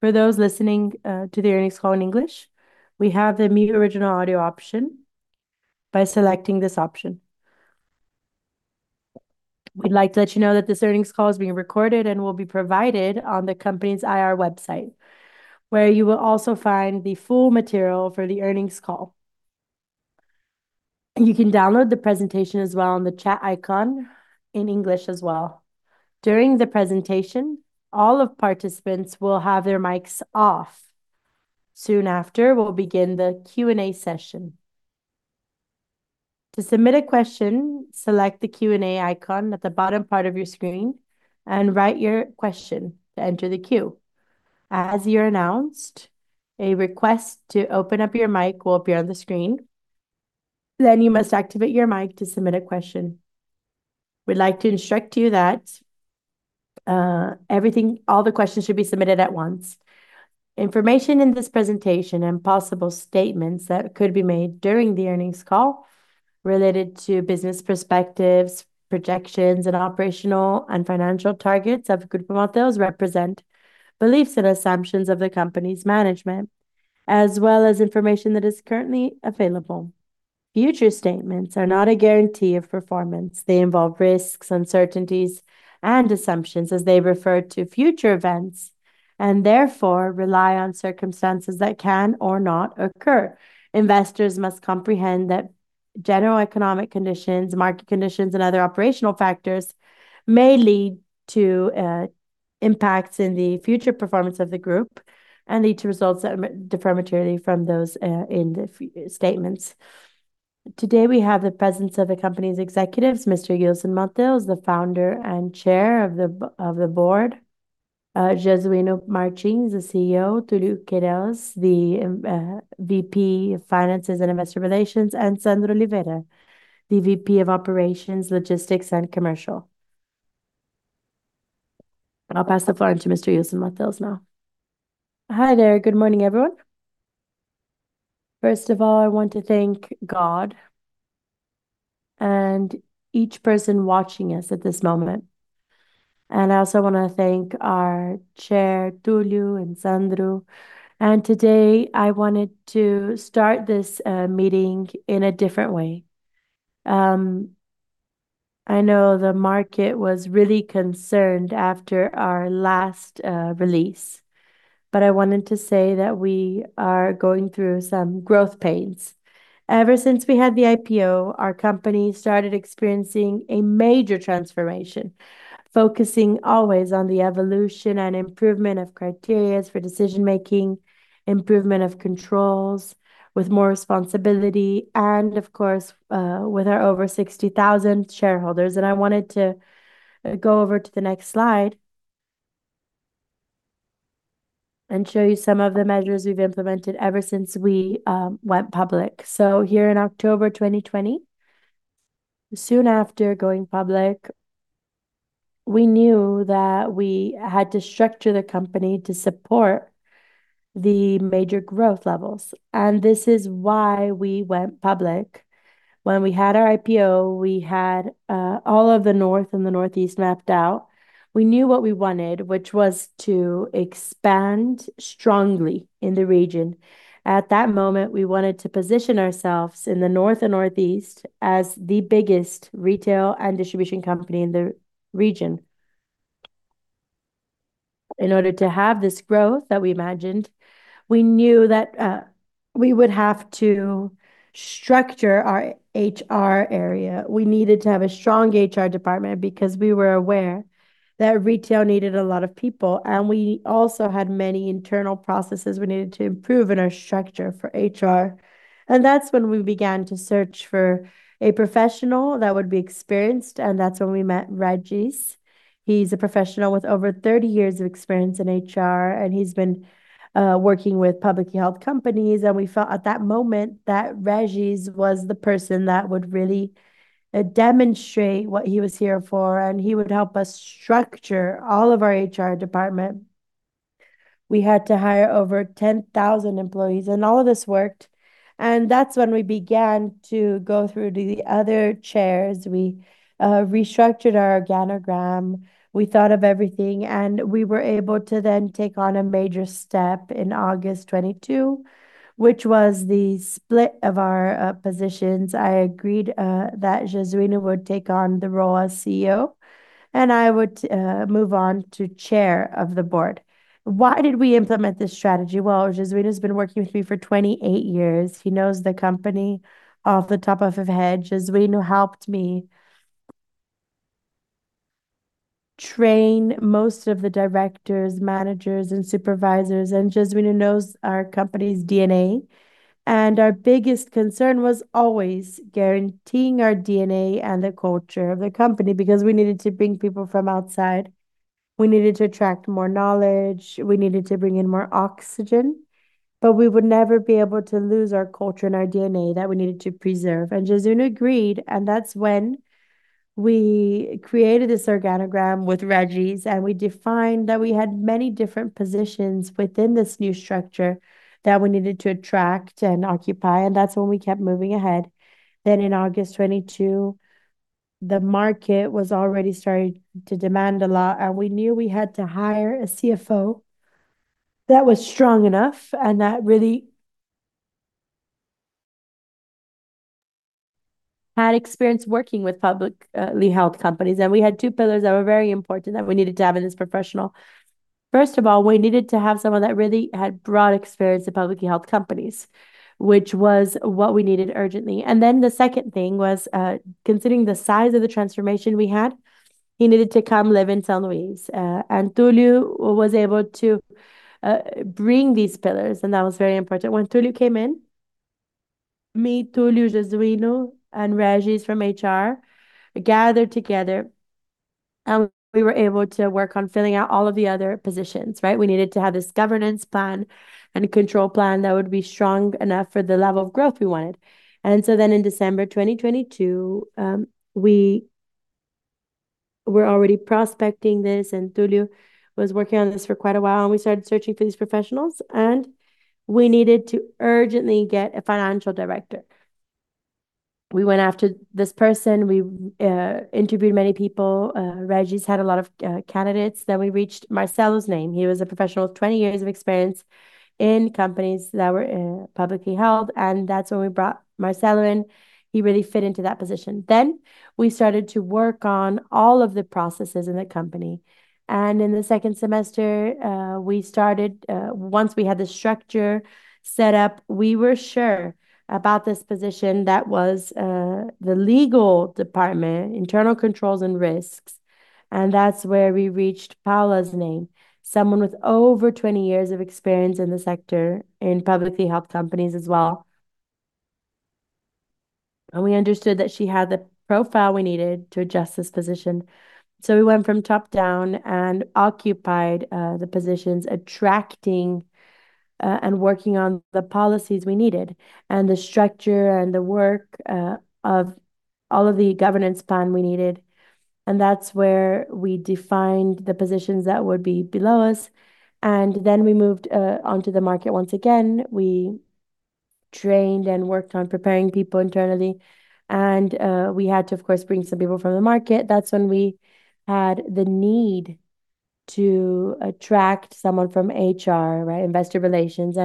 For those listening to the earnings call in English, we have the mute original audio option by selecting this option. We'd like to let you know that this earnings call is being recorded and will be provided on the company's IR website, where you will also find the full material for the earnings call. You can download the presentation as well on the chat icon in English as well. During the presentation, all participants will have their mics off. Soon after, we'll begin the Q&A session. To submit a question, select the Q&A icon at the bottom part of your screen and write your question to enter the queue. As you're announced, a request to open up your mic will appear on the screen, then you must activate your mic to submit a question. We'd like to instruct you that all the questions should be submitted at once. Information in this presentation and possible statements that could be made during the earnings call related to business perspectives, projections and operational and financial targets of Grupo Mateus represent beliefs and assumptions of the company's management, as well as information that is currently available. Future statements are not a guarantee of performance. They involve risks, uncertainties and assumptions as they refer to future events, and therefore rely on circumstances that can or not occur. Investors must comprehend that general economic conditions, market conditions and other operational factors may lead to impacts in the future performance of the group and lead to results that may differ materially from those in the future statements. Today, we have the presence of the company's executives. Mr. Ilson Mateus, the founder and chair of the board, Jesuíno Martins Borges Filho, the CEO, Túlio Queiroz, the VP of Finance and Investor Relations, and Sandro Oliveira, the VP of Operations and Logistics. I'll pass the floor on to Mr. Ilson Mateus now. Hi there. Good morning, everyone. First of all, I want to thank God and each person watching us at this moment. I also wanna thank our chair, Túlio and Sandro. Today, I wanted to start this meeting in a different way. I know the market was really concerned after our last release, but I wanted to say that we are going through some growth pains. Ever since we had the IPO, our company started experiencing a major transformation, focusing always on the evolution and improvement of criteria for decision-making, improvement of controls with more responsibility, and of course, with our over 60,000 shareholders. I wanted to go over to the next slide and show you some of the measures we've implemented ever since we went public. Here in October 2020, soon after going public, we knew that we had to structure the company to support the major growth levels, and this is why we went public. When we had our IPO, we had all of the North and the Northeast mapped out. We knew what we wanted, which was to expand strongly in the region. At that moment, we wanted to position ourselves in the North and Northeast as the biggest retail and distribution company in the region. In order to have this growth that we imagined, we knew that we would have to structure our HR area. We needed to have a strong HR department because we were aware that retail needed a lot of people, and we also had many internal processes we needed to improve in our structure for HR. That's when we began to search for a professional that would be experienced, and that's when we met Regis. He's a professional with over 30 years of experience in HR, and he's been working with public health companies. We felt at that moment that Regis was the person that would really demonstrate what he was here for, and he would help us structure all of our HR department. We had to hire over 10,000 employees, and all of this worked. That's when we began to go through the other chairs. We restructured our organogram. We thought of everything, and we were able to then take on a major step in August 2022, which was the split of our positions. I agreed that Jesuíno would take on the role as CEO, and I would move on to chair of the board. Why did we implement this strategy? Well, Jesuíno's been working with me for 28 years. He knows the company off the top of his head. Jesuíno helped me train most of the directors, managers and supervisors, and Jesuíno knows our company's DNA. Our biggest concern was always guaranteeing our DNA and the culture of the company, because we needed to bring people from outside. We needed to attract more knowledge. We needed to bring in more oxygen. We would never be able to lose our culture and our DNA that we needed to preserve. Jesuíno agreed, and that's when we created this organogram with Regis, and we defined that we had many different positions within this new structure that we needed to attract and occupy, and that's when we kept moving ahead. In August 2022 the market was already starting to demand a lot, and we knew we had to hire a CFO that was strong enough and that really had experience working with publicly held companies. We had two pillars that were very important that we needed to have in this professional. First of all, we needed to have someone that really had broad experience of publicly held companies, which was what we needed urgently. The second thing was, considering the size of the transformation we had, he needed to come live in São Luís. Túlio was able to bring these pillars, and that was very important. When Túlio came in, me, Túlio, Jesuíno and Regis from HR gathered together and we were able to work on filling out all of the other positions, right? We needed to have this governance plan and a control plan that would be strong enough for the level of growth we wanted. In December 2022, we were already prospecting this, and Túlio was working on this for quite a while, and we started searching for these professionals, and we needed to urgently get a financial director. We went after this person. We interviewed many people. Regis had a lot of candidates. Then we reached Marcelo's name. He was a professional with 20 years of experience in companies that were publicly held, and that's when we brought Marcelo in. He really fit into that position. We started to work on all of the processes in the company. In the second semester, we started once we had the structure set up, we were sure about this position that was the legal department, internal controls and risks, and that's where we reached Paula's name, someone with over 20 years of experience in the sector in publicly held companies as well. We understood that she had the profile we needed to adjust this position. We went from top down and occupied the positions, attracting and working on the policies we needed and the structure and the work of all of the governance plan we needed, and that's where we defined the positions that would be below us. We moved onto the market once again. We trained and worked on preparing people internally. We had to, of course, bring some people from the market. That's when we had the need to attract someone from HR, right, investor relations.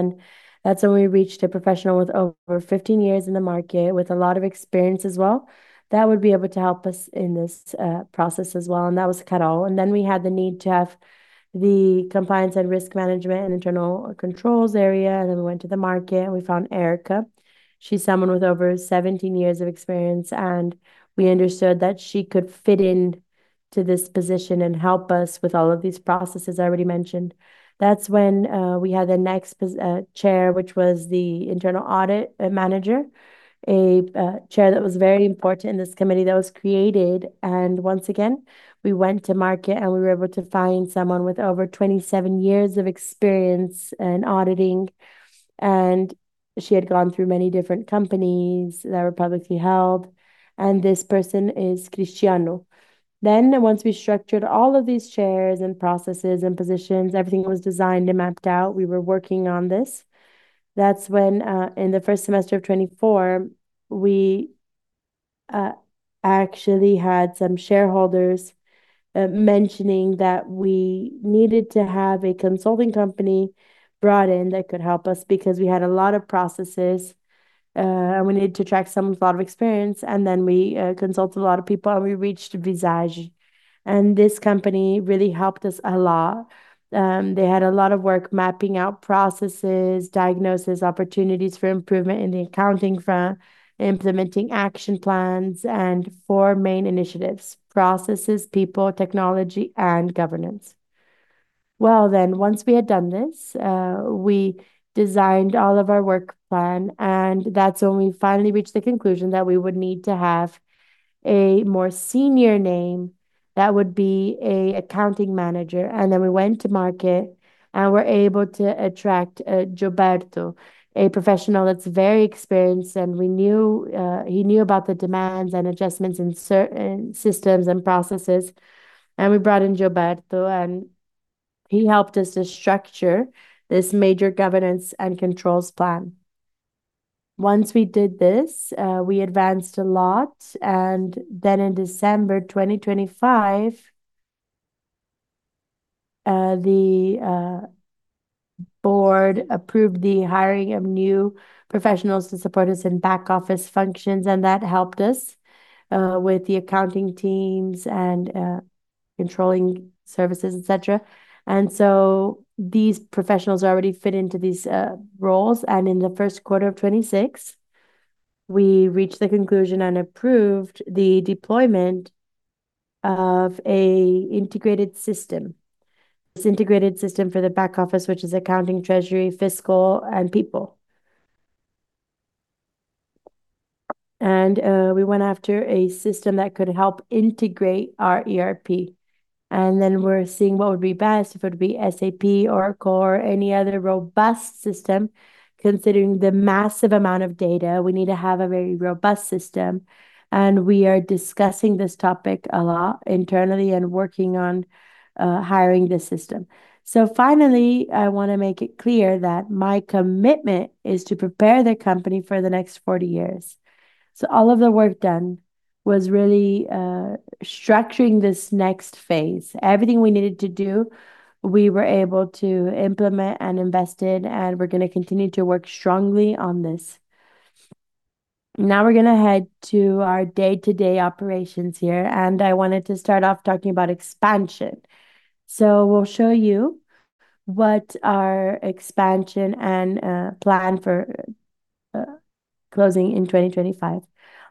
That's when we reached a professional with over 15 years in the market with a lot of experience as well that would be able to help us in this process as well, and that was Carol. We had the need to have the compliance and risk management and internal controls area, and then we went to the market, and we found Erica. She's someone with over 17 years of experience, and we understood that she could fit in to this position and help us with all of these processes I already mentioned. That's when we had the next chair, which was the internal audit manager, a chair that was very important in this committee that was created. Once again, we went to market, and we were able to find someone with over 27 years of experience in auditing, and she had gone through many different companies that were publicly held, and this person is Cristiano. Once we structured all of these chairs and processes and positions, everything was designed and mapped out. We were working on this. That's when in the first semester of 2024, we actually had some shareholders mentioning that we needed to have a consulting company brought in that could help us because we had a lot of processes and we needed to attract someone with a lot of experience. We consulted a lot of people, and we reached Visagio, and this company really helped us a lot. They had a lot of work mapping out processes, diagnosis, opportunities for improvement in the accounting firm, implementing action plans and four main initiatives, processes, people, technology, and governance. Well, once we had done this, we designed all of our work plan, and that's when we finally reached the conclusion that we would need to have a more senior name that would be an accounting manager. We went to market and were able to attract Gilberto, a professional that's very experienced, and we knew he knew about the demands and adjustments in systems and processes. We brought in Gilberto, and he helped us to structure this major governance and controls plan. Once we did this, we advanced a lot. In December 2025, the board approved the hiring of new professionals to support us in back office functions, and that helped us with the accounting teams and controlling services, etc. These professionals already fit into these roles. In the first quarter of 2026, we reached the conclusion and approved the deployment of an integrated system, this integrated system for the back office, which is accounting, treasury, fiscal and people. We went after a system that could help integrate our ERP, and then we're seeing what would be best, if it would be SAP, Oracle or any other robust system. Considering the massive amount of data, we need to have a very robust system, and we are discussing this topic a lot internally and working on hiring the system. Finally, I wanna make it clear that my commitment is to prepare the company for the next 40 years. All of the work done was really structuring this next phase. Everything we needed to do, we were able to implement and invested, and we're gonna continue to work strongly on this. Now we're gonna head to our day-to-day operations here, and I wanted to start off talking about expansion. We'll show you what our expansion and plan for closing in 2025.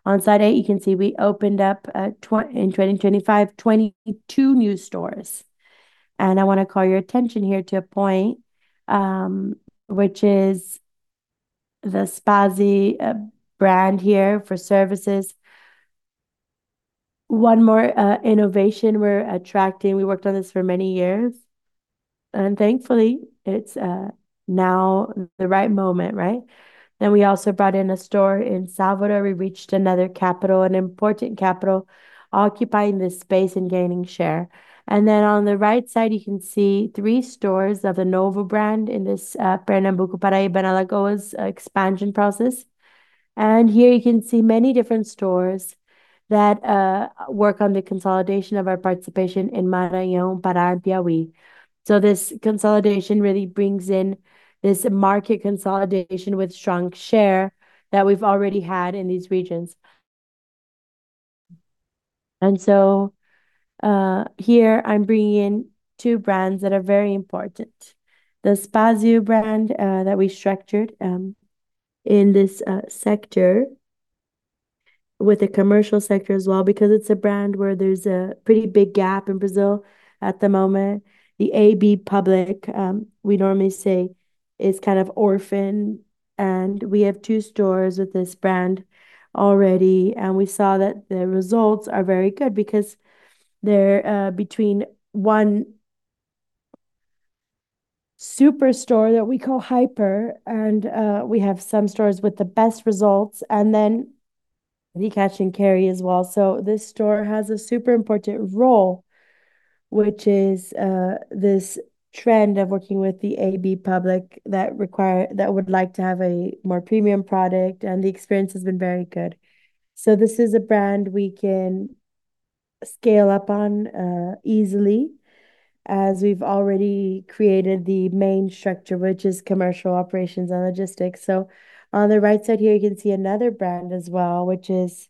On slide 8, you can see we opened up in 2025, 22 new stores. I wanna call your attention here to a point, which is the Spazio brand here for services. One more innovation we're attracting, we worked on this for many years, and thankfully it's now the right moment, right? We also brought in a store in Salvador. We reached another capital, an important capital, occupying the space and gaining share. On the right side, you can see three stores of the Novo brand in this Pernambuco, Paraíba, Alagoas expansion process. Here you can see many different stores that work on the consolidation of our participation in Maranhão, Pará, Piauí. This consolidation really brings in this market consolidation with strong share that we've already had in these regions. Here I'm bringing in two brands that are very important. The Spazio brand, that we structured, in this sector with the commercial sector as well because it's a brand where there's a pretty big gap in Brazil at the moment. The público AB, we normally say is kind of orphan, and we have two stores with this brand already, and we saw that the results are very good because they're between one super store that we call Hiper and we have some stores with the best results, and then the cash-and-carry as well. This store has a super important role, which is this trend of working with the público AB that would like to have a more premium product, and the experience has been very good. This is a brand we can scale up on, easily, as we've already created the main structure, which is commercial operations and logistics. On the right side here, you can see another brand as well, which is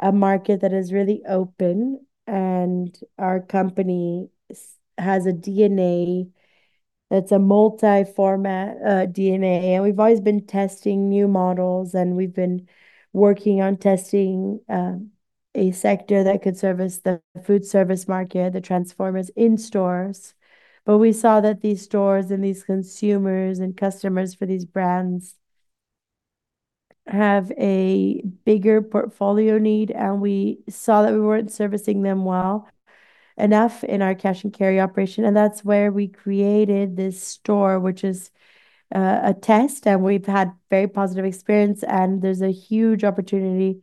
a market that is really open, and our company has a DNA that's a multi-format DNA. We've always been testing new models, and we've been working on testing a sector that could service the food service market, the formats in stores. We saw that these stores and these consumers and customers for these brands have a bigger portfolio need, and we saw that we weren't servicing them well enough in our cash-and-carry operation, and that's where we created this store, which is a test, and we've had very positive experience, and there's a huge opportunity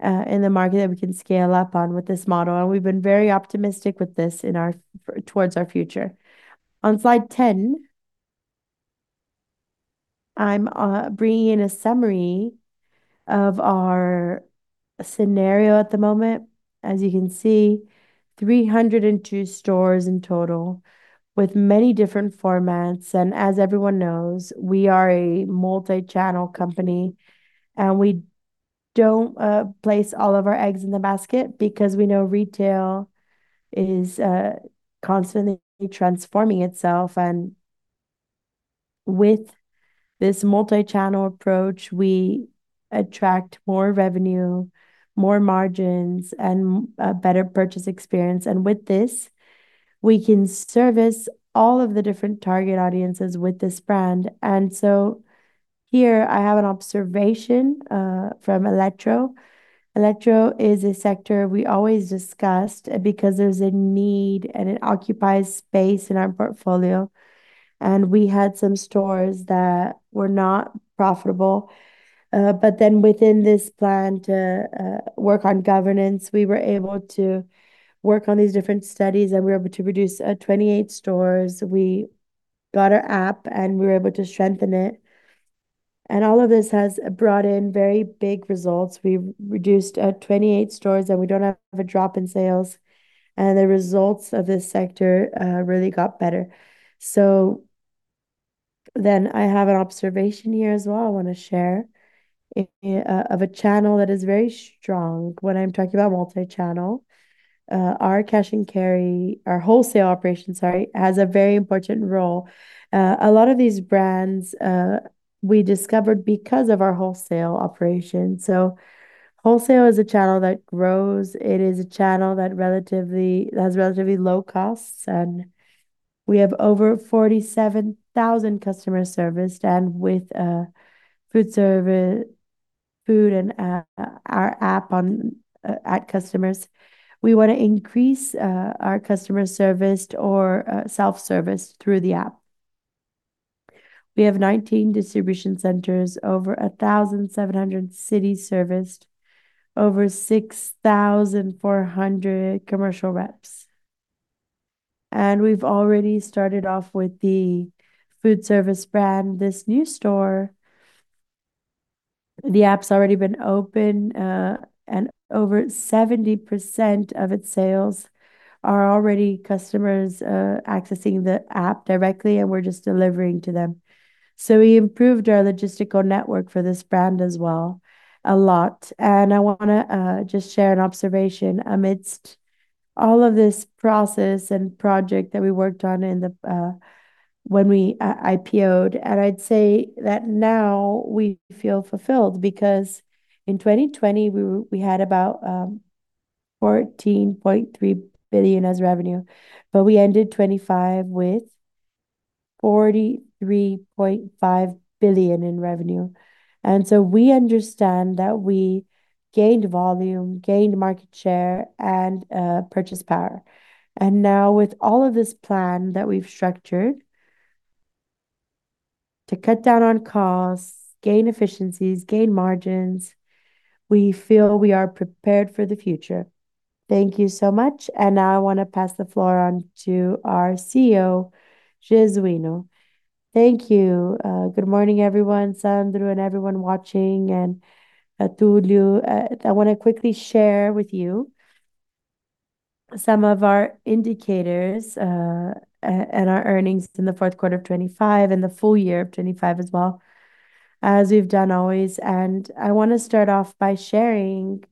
in the market that we can scale up on with this model. We've been very optimistic with this towards our future. On slide 10, I'm bringing in a summary of our scenario at the moment. As you can see, 302 stores in total with many different formats. As everyone knows, we are a multi-channel company, and we don't place all of our eggs in one basket because we know retail is constantly transforming itself. With this multi-channel approach, we attract more revenue, more margins, and a better purchase experience. With this, we can service all of the different target audiences with this brand. Here I have an observation from Eletro. Eletro is a sector we always discussed because there's a need, and it occupies space in our portfolio. We had some stores that were not profitable. Within this plan to work on governance, we were able to work on these different studies, and we were able to reduce 28 stores. We got our app, and we were able to strengthen it. All of this has brought in very big results. We've reduced 28 stores, and we don't have a drop in sales, and the results of this sector really got better. I have an observation here as well. I want to share of a channel that is very strong. When I'm talking about multi-channel, our cash-and-carry. Our wholesale operation, sorry, has a very important role. A lot of these brands, we discovered because of our wholesale operation. Wholesale is a channel that grows. It is a channel that it has relatively low costs, and we have over 47,000 customers serviced. And with, food and, our app on, at customers, we wanna increase, our customer serviced or, self-serviced through the app. We have 19 distribution centers, over 1,700 cities serviced, over 6,400 commercial reps. We've already started off with the food service brand, this new store. The app's already been open, and over 70% of its sales are already customers accessing the app directly, and we're just delivering to them. We improved our logistical network for this brand as well a lot. I wanna just share an observation amidst all of this process and project that we worked on when we IPO'd. I'd say that now we feel fulfilled because in 2020 we had about 14.3 billion as revenue, but we ended 2025 with 43.5 billion in revenue. We understand that we gained volume, gained market share, and purchase power. Now with all of this plan that we've structured to cut down on costs, gain efficiencies, gain margins, we feel we are prepared for the future. Thank you so much. Now I wanna pass the floor on to our CEO, Jesuíno. Thank you. Good morning, everyone, Sandro and everyone watching, and, Túlio. I wanna quickly share with you some of our indicators, and our earnings in the fourth quarter of 2025 and the full year of 2025 as well, as we've done always. I wanna start off by sharing,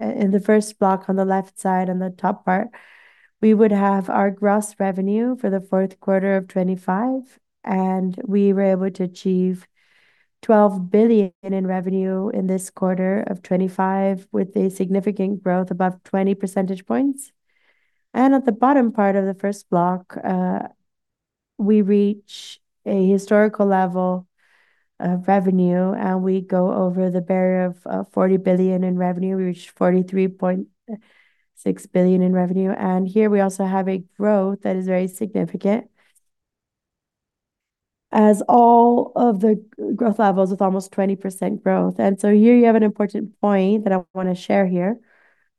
in the first block on the left side, on the top part, we would have our gross revenue for the fourth quarter of 2025, and we were able to achieve 12 billion in revenue in this quarter of 2025 with a significant growth above 20 percentage points. At the bottom part of the first block, we reach a historical level of revenue, and we go over the barrier of, 40 billion in revenue. We reached 43.6 billion in revenue. Here we also have a growth that is very significant as all of the growth levels with almost 20% growth. Here you have an important point that I wanna share here.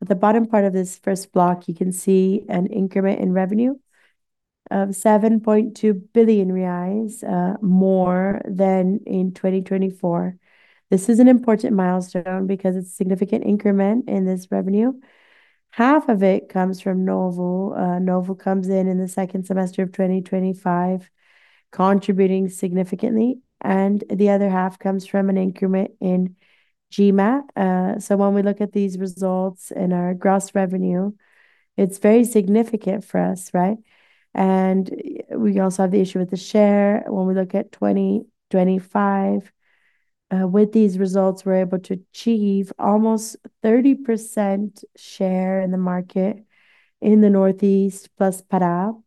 At the bottom part of this first block, you can see an increment in revenue of 7.2 billion reais, more than in 2024. This is an important milestone because it's a significant increment in this revenue. Half of it comes from Novo. Novo comes in in the second semester of 2025, contributing significantly, and the other half comes from an increment in GMAT. So when we look at these results in our gross revenue, it's very significant for us, right? We also have the issue with the share. When we look at 2025, with these results, we're able to achieve almost 30% share in the market in the Northeast plus Pará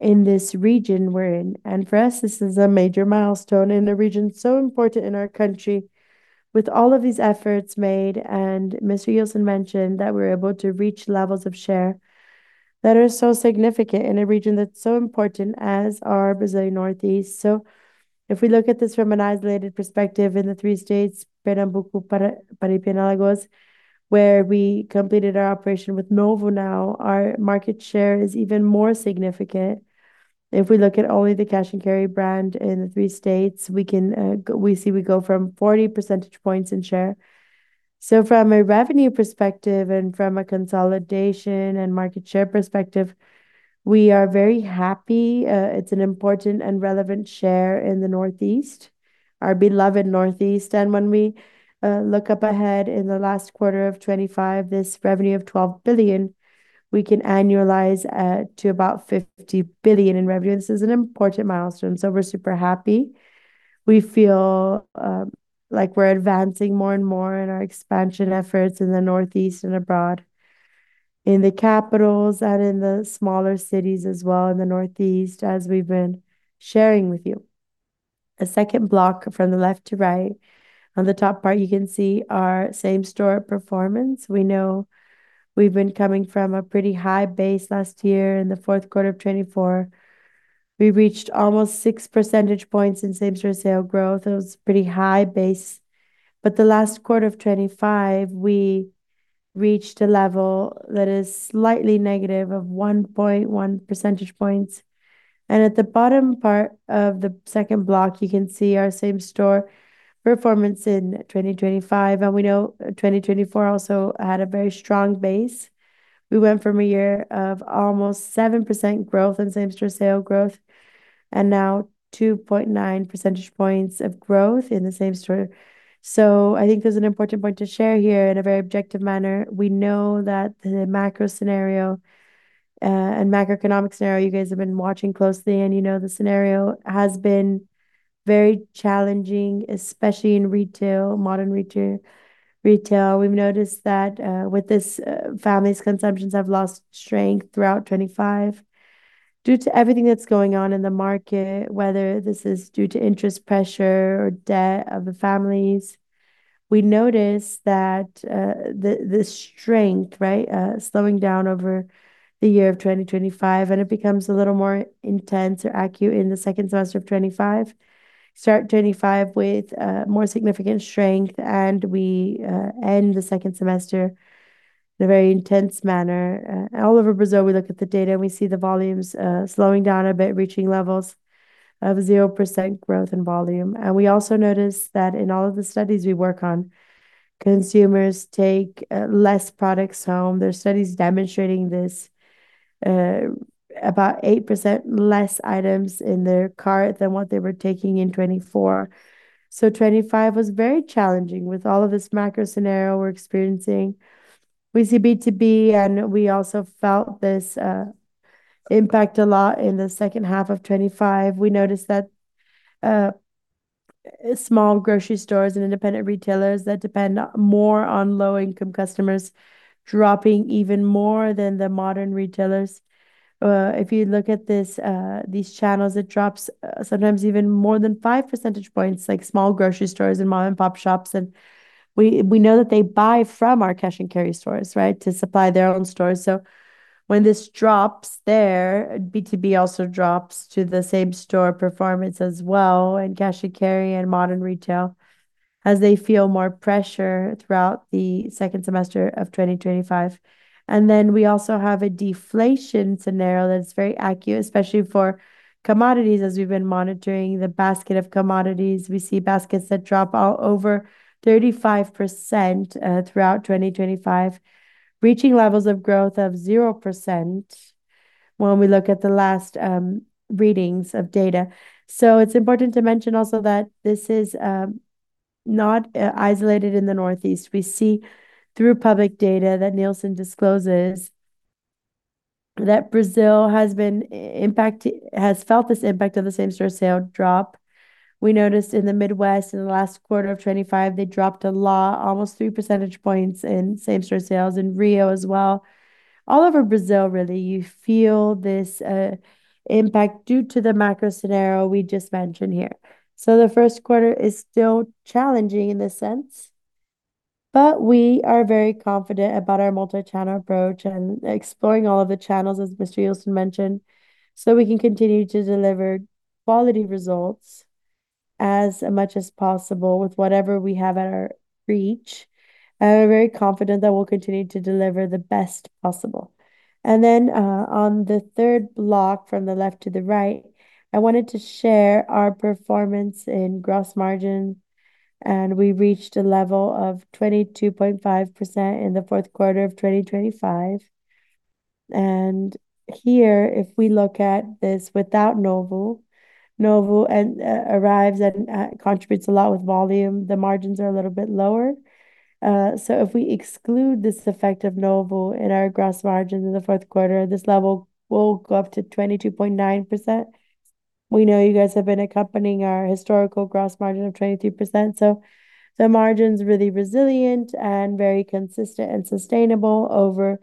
in this region we're in. For us, this is a major milestone in a region so important in our country with all of these efforts made. Mr. Ilson mentioned that we're able to reach levels of share that are so significant in a region that's so important as our Brazilian Northeast. If we look at this from an isolated perspective in the three states, Pernambuco, Paraíba and Alagoas, where we completed our operation with Novo now, our market share is even more significant. If we look at only the cash-and-carry brand in the three states, we can, we see we go from 40 percentage points in share. From a revenue perspective and from a consolidation and market share perspective, we are very happy. It's an important and relevant share in the Northeast, our beloved Northeast. When we look ahead in the last quarter of 2025, this revenue of 12 billion, we can annualize to about 50 billion in revenue. This is an important milestone. We're super happy. We feel like we're advancing more and more in our expansion efforts in the Northeast and abroad, in the capitals and in the smaller cities as well in the Northeast, as we've been sharing with you. The second block from the left to right, on the top part, you can see our same-store performance. We know we've been coming from a pretty high base last year in the fourth quarter of 2024. We reached almost 6 percentage points in same-store sales growth. It was pretty high base. The last quarter of 2025, we reached a level that is slightly negative of 1.1 percentage points. At the bottom part of the second block, you can see our same-store performance in 2025. We know 2024 also had a very strong base. We went from a year of almost 7% growth in same-store sales growth and now 2.9 percentage points of growth in the same store. I think there's an important point to share here in a very objective manner. We know that the macro scenario and macroeconomic scenario you guys have been watching closely, and you know the scenario has been very challenging, especially in modern retail. We've noticed that, with this, families' consumptions have lost strength throughout 2025 due to everything that's going on in the market, whether this is due to interest pressure or debt of the families. We notice that the strength, right, slowing down over the year of 2025, and it becomes a little more intense or acute in the second semester of 2025. Start 2025 with more significant strength, and we end the second semester in a very intense manner. All over Brazil, we look at the data and we see the volumes slowing down a bit, reaching levels of 0% growth in volume. We also notice that in all of the studies we work on, consumers take less products home. There are studies demonstrating this, about 8% less items in their cart than what they were taking in 2024. 2025 was very challenging with all of this macro scenario we're experiencing with the B2B, and we also felt this, impact a lot in the second half of 2025. We noticed that, small grocery stores and independent retailers that depend on more on low-income customers dropping even more than the modern retailers. If you look at this, these channels, it drops sometimes even more than five percentage points, like small grocery stores and mom-and-pop shops. We know that they buy from our cash-and-carry stores, right? To supply their own stores. When this drops there, B2B also drops to the same store performance as well, and cash-and-carry and modern retail, as they feel more pressure throughout the second semester of 2025. We also have a deflation scenario that's very acute, especially for commodities. As we've been monitoring the basket of commodities, we see baskets that drop all over 35%, throughout 2025, reaching levels of growth of 0% when we look at the last readings of data. It's important to mention also that this is not isolated in the Northeast. We see through public data that Nielsen discloses that Brazil has been impact has felt this impact of the same-store sales drop. We noticed in the Midwest in the last quarter of 2025, they dropped a lot, almost three percentage points in same-store sales in Rio as well. All over Brazil, really, you feel this impact due to the macro scenario we just mentioned here. The first quarter is still challenging in this sense, but we are very confident about our multi-channel approach and exploring all of the channels, as Mr. Ilson mentioned, so we can continue to deliver quality results as much as possible with whatever we have at our reach. We're very confident that we'll continue to deliver the best possible. On the third block from the left to the right, I wanted to share our performance in gross margin, and we reached a level of 22.5% in the fourth quarter of 2025. Here, if we look at this without Novo. Novo arrives and contributes a lot with volume. The margins are a little bit lower. If we exclude this effect of Novo in our gross margin in the fourth quarter, this level will go up to 22.9%. We know you guys have been accompanying our historical gross margin of 23%, so the margin's really resilient and very consistent and sustainable over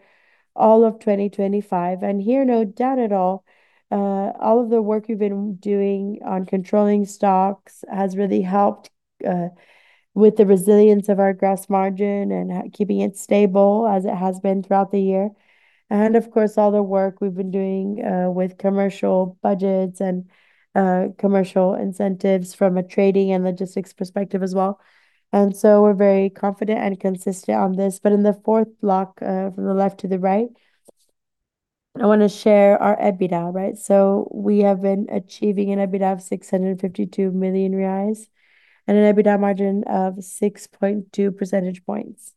all of 2025. Here, no doubt at all of the work you've been doing on controlling stocks has really helped with the resilience of our gross margin and keeping it stable as it has been throughout the year. Of course, all the work we've been doing with commercial budgets and commercial incentives from a trading and logistics perspective as well. We're very confident and consistent on this. In the fourth block from the left to the right, I want to share our EBITDA, right? We have been achieving an EBITDA of 652 million reais and an EBITDA margin of 6.2 percentage points.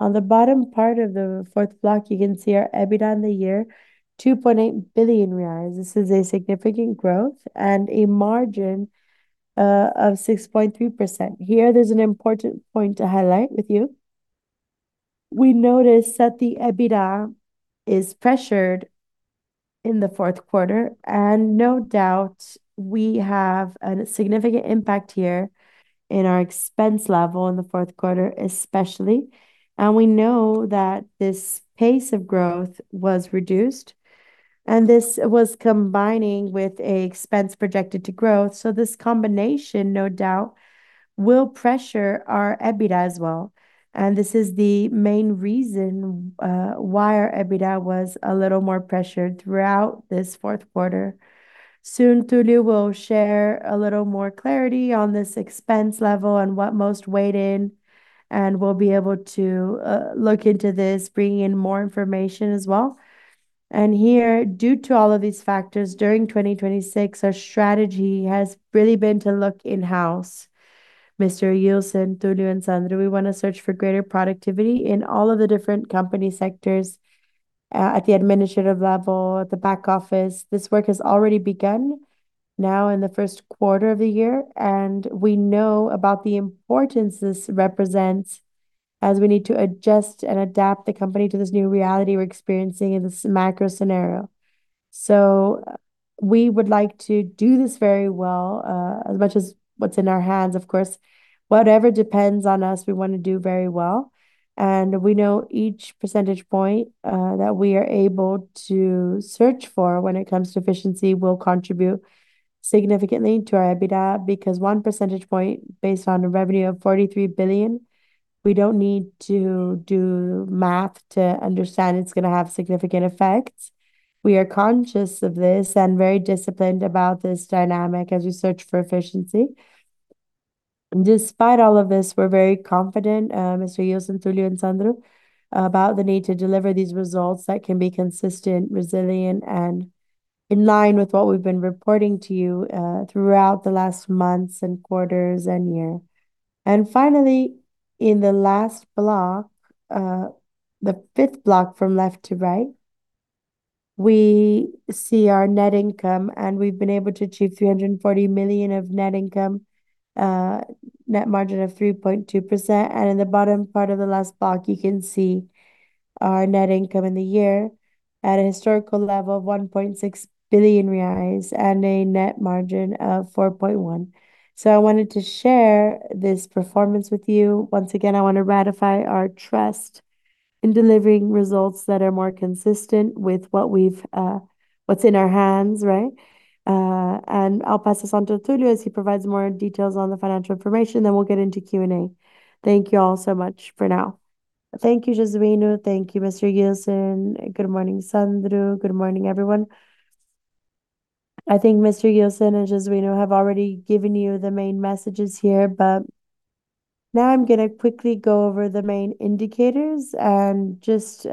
On the bottom part of the fourth block, you can see our EBITDA in the year, 2.8 billion reais. This is a significant growth and a margin of 6.3%. Here, there's an important point to highlight with you. We noticed that the EBITDA is pressured in the fourth quarter, and no doubt, we have a significant impact here in our expense level in the fourth quarter especially. We know that this pace of growth was reduced, and this was combining with a expense projected to growth. This combination no doubt will pressure our EBITDA as well. This is the main reason why our EBITDA was a little more pressured throughout this fourth quarter. Soon, Túlio will share a little more clarity on this expense level and what most weighed in, and we'll be able to look into this, bringing in more information as well. Here, due to all of these factors, during 2026, our strategy has really been to look in-house. Mr. Ilson, Túlio, and Sandro, we want to search for greater productivity in all of the different company sectors, at the administrative level, at the back office. This work has already begun now in the first quarter of the year, and we know about the importance this represents as we need to adjust and adapt the company to this new reality we're experiencing in this macro scenario. We would like to do this very well, as much as what's in our hands, of course. Whatever depends on us, we want to do very well. We know each percentage point that we are able to search for when it comes to efficiency will contribute significantly to our EBITDA, because one percentage point based on a revenue of 43 billion, we don't need to do math to understand it's going to have significant effects. We are conscious of this and very disciplined about this dynamic as we search for efficiency. Despite all of this, we're very confident, Mr. Ilson, Túlio, and Sandro, about the need to deliver these results that can be consistent, resilient, and in line with what we've been reporting to you throughout the last months and quarters and year. Finally, in the last block, the fifth block from left to right, we see our net income, and we've been able to achieve 340 million of net income, net margin of 3.2%. In the bottom part of the last block, you can see our net income in the year at a historical level of 1.6 billion reais and a net margin of 4.1%. I wanted to share this performance with you. Once again, I want to ratify our trust in delivering results that are more consistent with what we've, what's in our hands, right? I'll pass this on to Túlio as he provides more details on the financial information, then we'll get into Q&A. Thank you all so much for now. Thank you, Jesuíno. Thank you, Mr. Ilson. Good morning, Sandro. Good morning, everyone. I think Mr. Ilson and Jesuíno have already given you the main messages here, but now I'm gonna quickly go over the main indicators and just,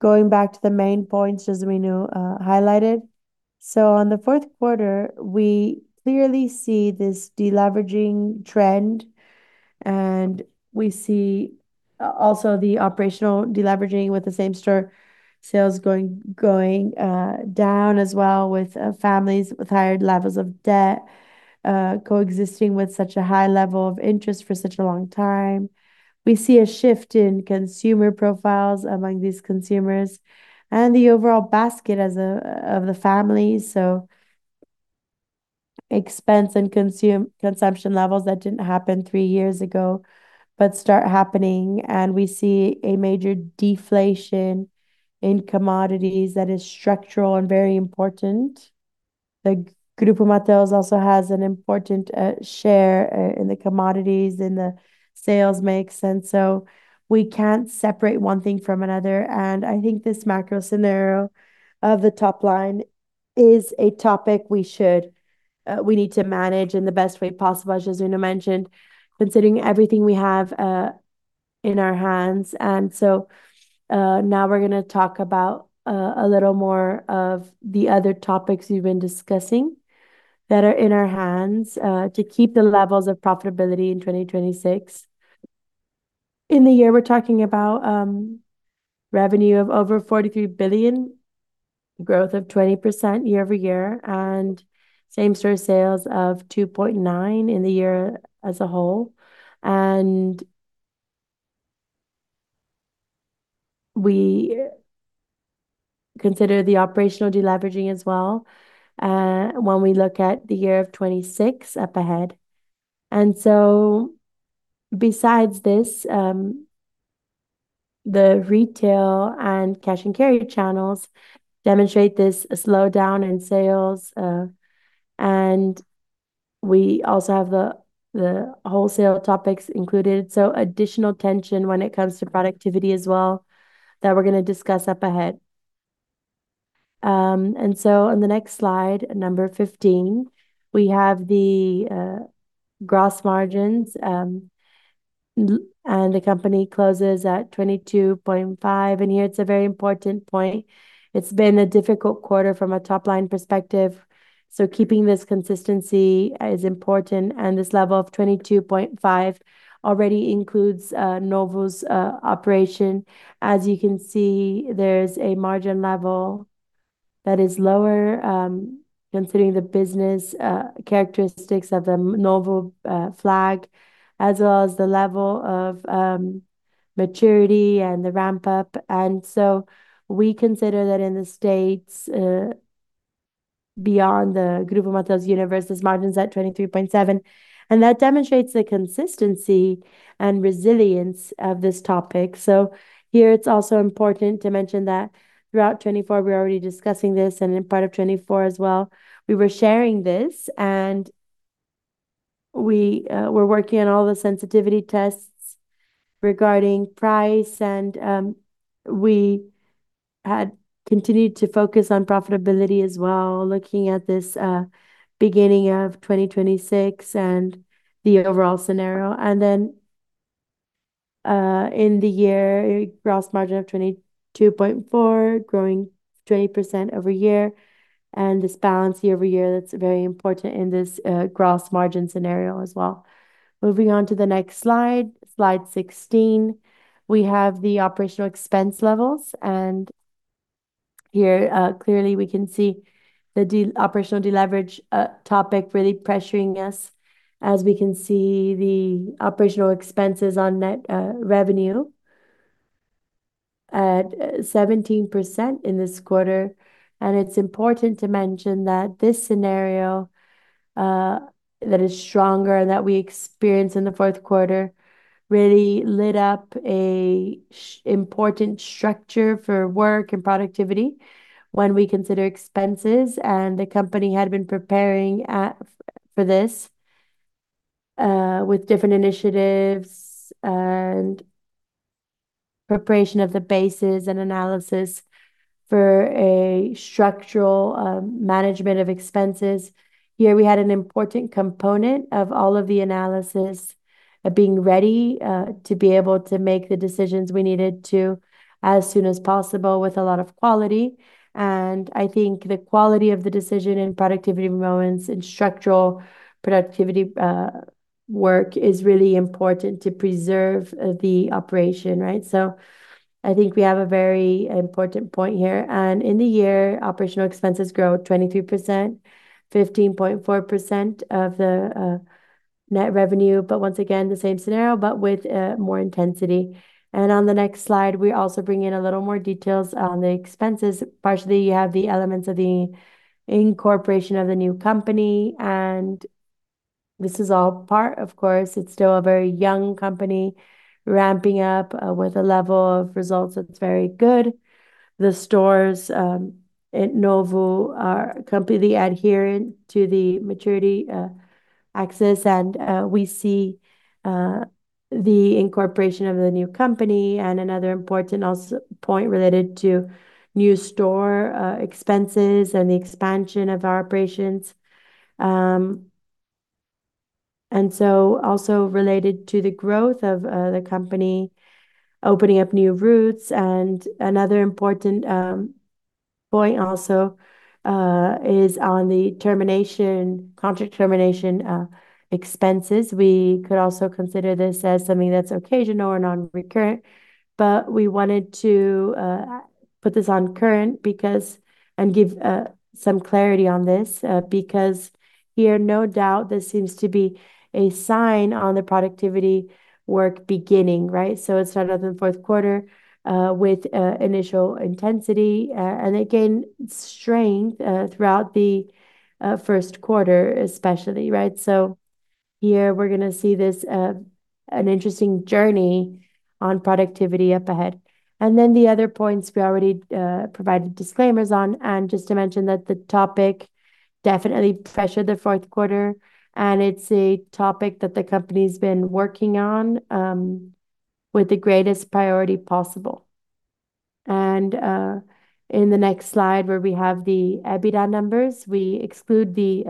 going back to the main points Jesuíno highlighted. On the fourth quarter, we clearly see this de-leveraging trend, and we see also the operational de-leveraging with the same-store sales going down as well with families with higher levels of debt coexisting with such a high level of interest for such a long time. We see a shift in consumer profiles among these consumers and the overall basket of the family, so expense and consumption levels that didn't happen three years ago, but start happening. We see a major deflation in commodities that is structural and very important. The Grupo Mateus also has an important share in the commodities and the sales mix, and so we can't separate one thing from another. I think this macro scenario of the top line is a topic we should, we need to manage in the best way possible, as Jesuíno mentioned, considering everything we have, in our hands. Now we're gonna talk about, a little more of the other topics we've been discussing that are in our hands, to keep the levels of profitability in 2026. In the year, we're talking about, revenue of over 43 billion, growth of 20% year-over-year, and same-store sales of 2.9% in the year as a whole. We consider the operational de-leveraging as well, when we look at the year of 2026 up ahead. Besides this, the retail and cash-and-carry channels demonstrate this slowdown in sales, and we also have the wholesale topics included. Additional tension when it comes to productivity as well that we're gonna discuss up ahead. On the next slide, number 15, we have the gross margins and the company closes at 22.5%. Here it's a very important point. It's been a difficult quarter from a top-line perspective, so keeping this consistency is important, and this level of 22.5% already includes Novo's operation. As you can see, there's a margin level that is lower considering the business characteristics of the Novo flag, as well as the level of maturity and the ramp-up. We consider that in the States beyond the Grupo Mateus universe's margins at 23.7%, and that demonstrates the consistency and resilience of this topic. Here it's also important to mention that throughout 2024, we're already discussing this, and in part of 2024 as well, we were sharing this. We're working on all the sensitivity tests regarding price and we had continued to focus on profitability as well, looking at this beginning of 2026 and the overall scenario. In the year, gross margin of 22.4, growing 20% year over year, and this balance year-over-year that's very important in this gross margin scenario as well. Moving on to the next slide 16, we have the operational expense levels. Here clearly we can see the operational deleverage topic really pressuring us as we can see the operational expenses on net revenue at 17% in this quarter. It's important to mention that this scenario that is stronger than we experienced in the fourth quarter really lit up an important structure for work and productivity when we consider expenses, and the company had been preparing for this with different initiatives and preparation of the bases and analysis for a structural management of expenses. Here we had an important component of all of the analysis of being ready to be able to make the decisions we needed to as soon as possible with a lot of quality, and I think the quality of the decision in productivity moments and structural productivity work is really important to preserve the operation, right? I think we have a very important point here. In the year, operational expenses grow 23%, 15.4% of the net revenue, but once again, the same scenario, but with more intensity. On the next slide, we also bring in a little more details on the expenses. Partially, you have the elements of the incorporation of the new company, and this is all part. Of course, it's still a very young company ramping up with a level of results that's very good. The stores in Novo Atacarejo are completely adherent to the maturity access, and we see the incorporation of the new company and another important also point related to new store expenses and the expansion of our operations. Also related to the growth of the company opening up new routes. Another important point also is on the termination, contract termination expenses. We could also consider this as something that's occasional or non-recurrent, but we wanted to put this on current because and give some clarity on this because here, no doubt, this seems to be a sign on the productivity work beginning, right? It started out in the fourth quarter with initial intensity and it gained strength throughout the first quarter, especially, right? Here we're gonna see this an interesting journey on productivity up ahead. Then the other points we already provided disclaimers on, and just to mention that the topic definitely pressured the fourth quarter, and it's a topic that the company's been working on with the greatest priority possible. In the next slide, where we have the EBITDA numbers, we exclude the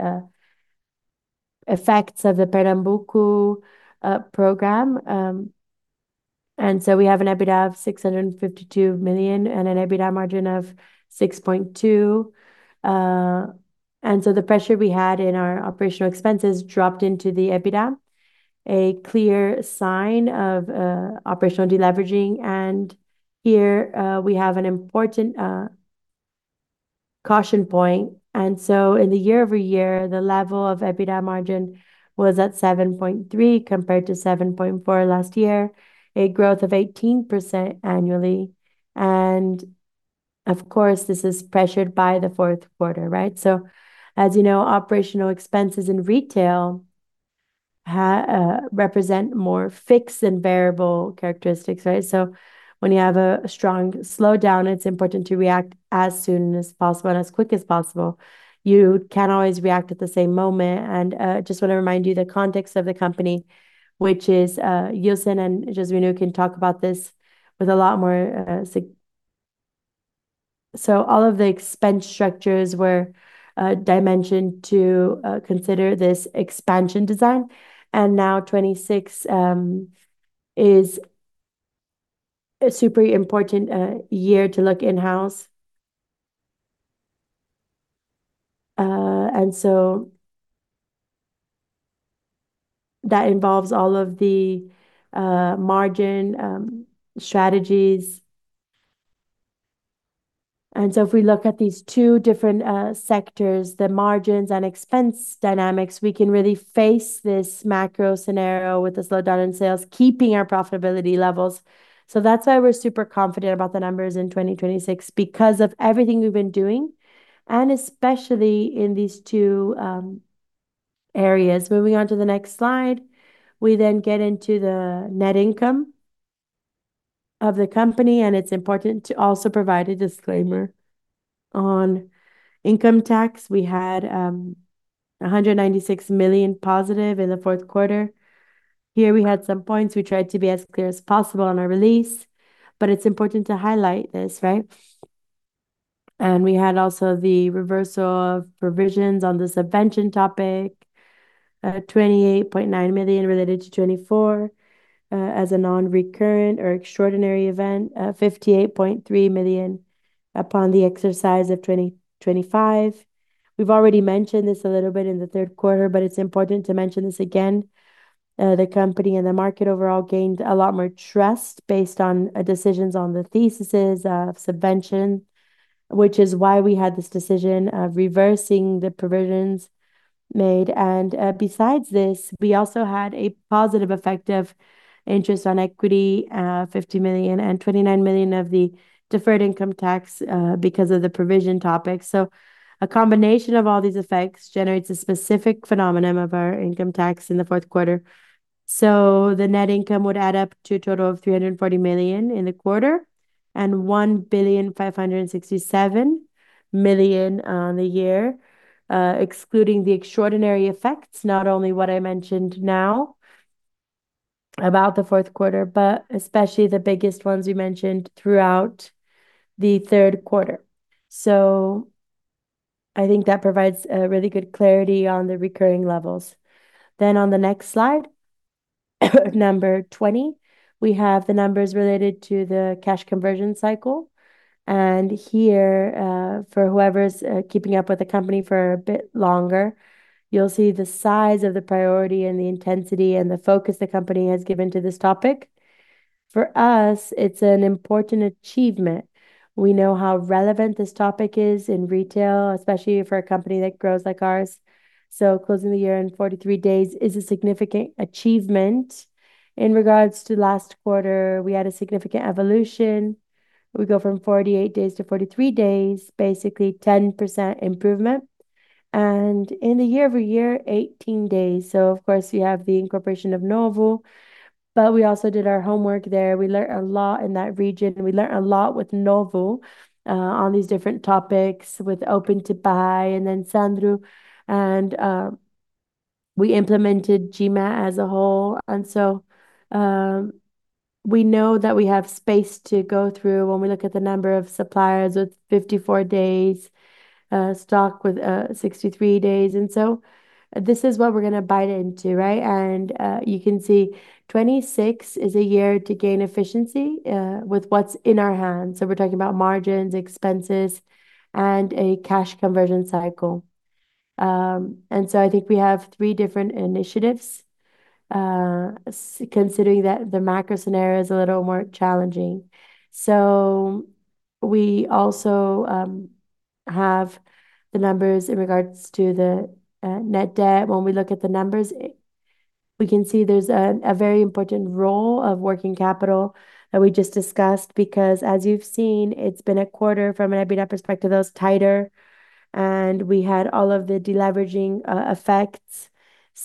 effects of the Pernambuco program. We have an EBITDA of 652 million and an EBITDA margin of 6.2%. The pressure we had in our operational expenses dropped into the EBITDA, a clear sign of operational deleveraging. Here, we have an important caution point. In the year-over-year, the level of EBITDA margin was at 7.3% compared to 7.4% last year, a growth of 18% annually. Of course, this is pressured by the fourth quarter, right? As you know, operational expenses in retail represent more fixed and variable characteristics, right? When you have a strong slowdown, it's important to react as soon as possible and as quick as possible. You can't always react at the same moment. Just want to remind you the context of the company, which is, Ilson and Jesuíno can talk about this with a lot more. All of the expense structures were dimensioned to consider this expansion design. Now 2026 is a super important year to look in-house. That involves all of the margin strategies. If we look at these two different sectors, the margins and expense dynamics, we can really face this macro scenario with a slowdown in sales, keeping our profitability levels. That's why we're super confident about the numbers in 2026 because of everything we've been doing, and especially in these two areas. Moving on to the next slide. We then get into the net income of the company, and it's important to also provide a disclaimer on income tax. We had a 196 million positive in the fourth quarter. Here we had some points. We tried to be as clear as possible on our release, but it's important to highlight this, right? We had also the reversal of provisions on the subvention topic, 28.9 million related to 2024, as a non-recurring or extraordinary event, 58.3 million upon the exercise of 2025. We've already mentioned this a little bit in the third quarter, but it's important to mention this again. The company and the market overall gained a lot more trust based on decisions on the theses of subvention, which is why we had this decision of reversing the provisions made. Besides this, we also had a positive effect of interest on equity, 50 million and 29 million of the deferred income tax, because of the provision topic. A combination of all these effects generates a specific phenomenon of our income tax in the fourth quarter. The net income would add up to a total of 340 million in the quarter. 1,567 million on the year, excluding the extraordinary effects, not only what I mentioned now about the fourth quarter, but especially the biggest ones we mentioned throughout the third quarter. I think that provides really good clarity on the recurring levels. On the next slide, number 20, we have the numbers related to the cash conversion cycle. Here, for whoever's keeping up with the company for a bit longer, you'll see the size of the priority and the intensity and the focus the company has given to this topic. For us, it's an important achievement. We know how relevant this topic is in retail, especially for a company that grows like ours, so closing the year in 43 days is a significant achievement. In regards to last quarter, we had a significant evolution. We go from 48 days to 43 days, basically 10% improvement. In the year-over-year, 18 days. Of course, we have the incorporation of Novo Atacarejo, but we also did our homework there. We learned a lot in that region. We learned a lot with Novo on these different topics with open-to-buy and then Sandro, and we implemented GMA as a whole. We know that we have space to go through when we look at the number of suppliers with 54 days stock with 63 days. This is what we're gonna bite into, right? You can see 2026 is a year to gain efficiency with what's in our hands. We're talking about margins, expenses, and a cash conversion cycle. I think we have three different initiatives considering that the macro scenario is a little more challenging. We also have the numbers in regards to the net debt. When we look at the numbers, we can see there's a very important role of working capital that we just discussed because as you've seen, it's been a quarter from an EBITDA perspective that was tighter, and we had all of the deleveraging effects.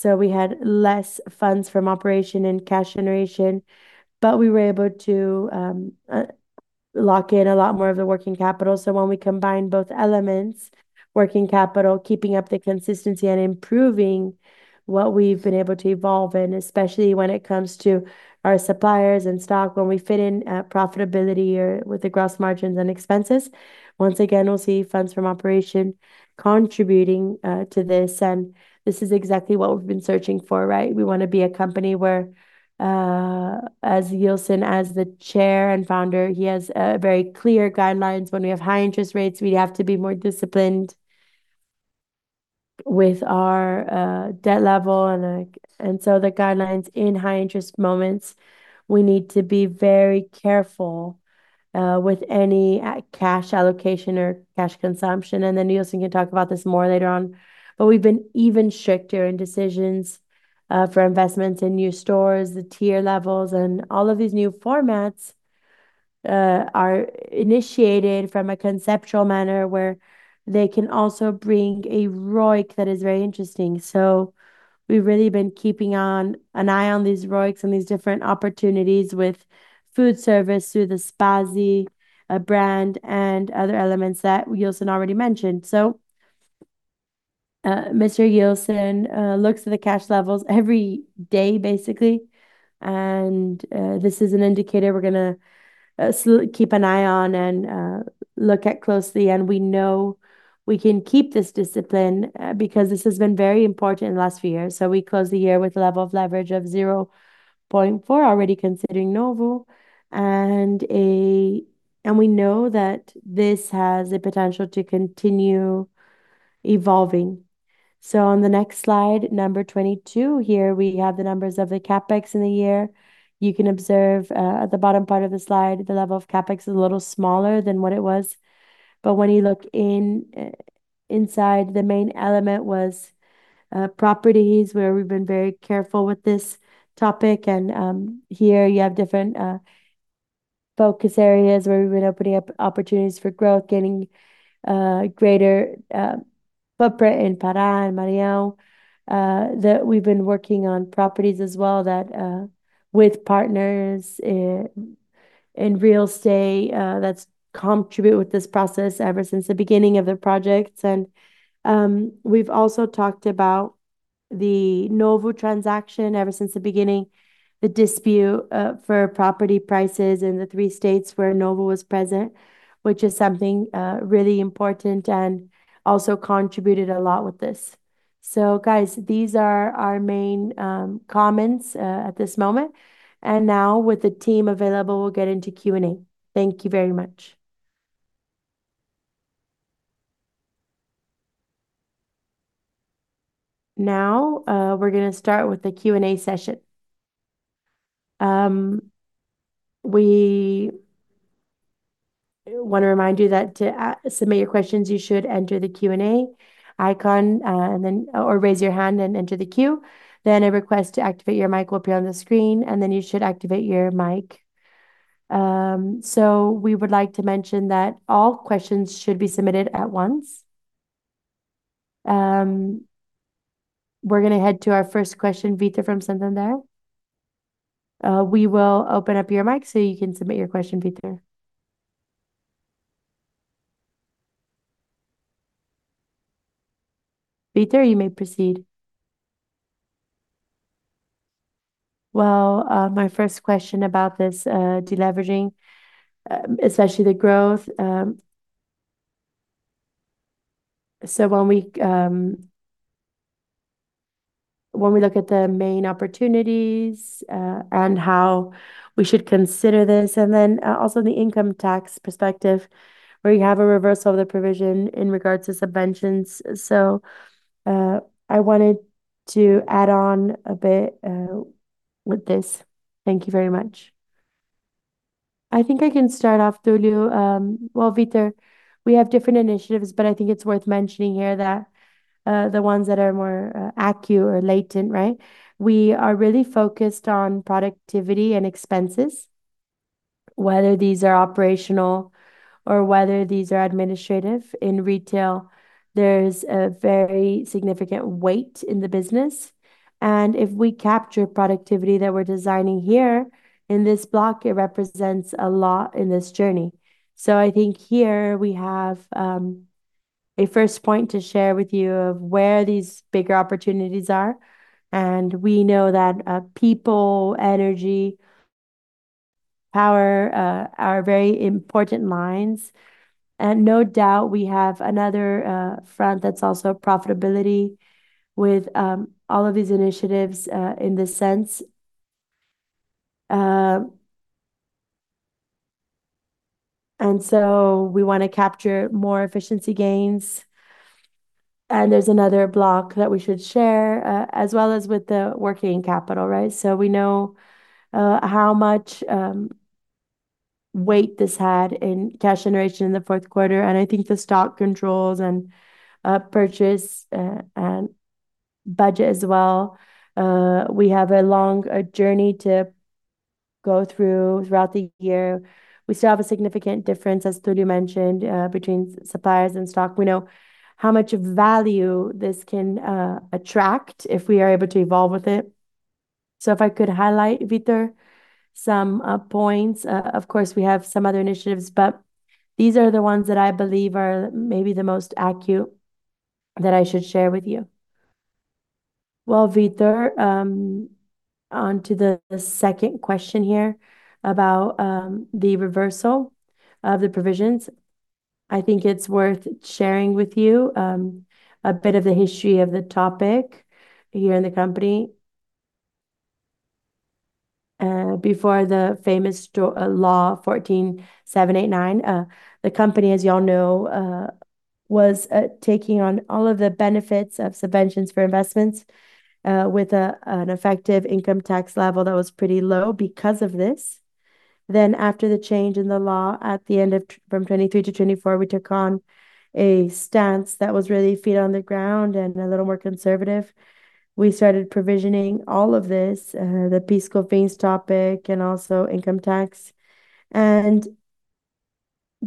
We had less funds from operation and cash generation, but we were able to lock in a lot more of the working capital. When we combine both elements, working capital, keeping up the consistency and improving what we've been able to evolve in, especially when it comes to our suppliers and stock, when we fit in profitability or with the gross margins and expenses, once again, we'll see funds from operation contributing to this. This is exactly what we've been searching for, right? We wanna be a company where, as Ilson, as the Chairman and founder, he has very clear guidelines. When we have high interest rates, we have to be more disciplined with our debt level and so the guidelines in high interest moments, we need to be very careful with any cash allocation or cash consumption. Then Ilson can talk about this more later on. We've been even stricter in decisions for investments in new stores, the tier levels, and all of these new formats are initiated from a conceptual manner where they can also bring a ROIC that is very interesting. We've really been keeping an eye on these ROICs and these different opportunities with food service through the Spazio brand and other elements that Ilson already mentioned. Mr. Ilson looks at the cash levels every day, basically, and this is an indicator we're gonna keep an eye on and look at closely. We know we can keep this discipline because this has been very important in the last few years. We close the year with a level of leverage of 0.4, already considering Novo. We know that this has the potential to continue evolving. On the next slide, number 22, here we have the numbers of the CapEx in the year. You can observe at the bottom part of the slide, the level of CapEx is a little smaller than what it was. When you look inside, the main element was properties where we've been very careful with this topic. Here you have different focus areas where we've been opening up opportunities for growth, getting greater footprint in Pará and Maranhão, that we've been working on properties as well that with partners in real estate, that's contribute with this process ever since the beginning of the projects. We've also talked about the Novo transaction ever since the beginning, the dispute for property prices in the three states where Novo was present, which is something really important and also contributed a lot with this. Guys, these are our main comments at this moment. Now with the team available, we'll get into Q&A. Thank you very much. Now we're gonna start with the Q&A session. We wanna remind you that to submit your questions, you should enter the Q&A icon, and then, or raise your hand and enter the queue. Then a request to activate your mic will appear on the screen, and then you should activate your mic. We would like to mention that all questions should be submitted at once. We're gonna head to our first question, Vitor from Santander. We will open up your mic so you can submit your question, Vitor. Vitor, you may proceed. Well, my first question about this, deleveraging, especially the growth, so when we look at the main opportunities, and how we should consider this, and then, also the income tax perspective where you have a reversal of the provision in regards to subventions. I wanted to add on a bit with this. Thank you very much. I think I can start off, Túlio. Well, Vitor, we have different initiatives, but I think it's worth mentioning here that the ones that are more acute or latent, right? We are really focused on productivity and expenses, whether these are operational or whether these are administrative. In retail, there's a very significant weight in the business, and if we capture productivity that we're designing here in this block, it represents a lot in this journey. I think here we have a first point to share with you of where these bigger opportunities are, and we know that people, energy, power are very important lines. No doubt we have another front that's also profitability with all of these initiatives in this sense. We wanna capture more efficiency gains, and there's another block that we should share, as well as with the working capital, right? We know how much weight this had in cash generation in the fourth quarter, and I think the stock controls and purchase and budget as well, we have a long journey to go through throughout the year. We still have a significant difference, as Túlio mentioned, between suppliers and stock. We know how much value this can attract if we are able to evolve with it. If I could highlight, Vitor, some points. Of course, we have some other initiatives, but these are the ones that I believe are maybe the most acute that I should share with you. Well, Vitor, on to the second question here about the reversal of the provisions. I think it's worth sharing with you a bit of the history of the topic here in the company. Before the famous Lei 14.789, the company, as y'all know, was taking on all of the benefits of subventions for investments with an effective income tax level that was pretty low because of this. After the change in the law at the end of 2023 from 2023 to 2024, we took on a stance that was really feet on the ground and a little more conservative. We started provisioning all of this, the PIS/COFINS topic and also income tax.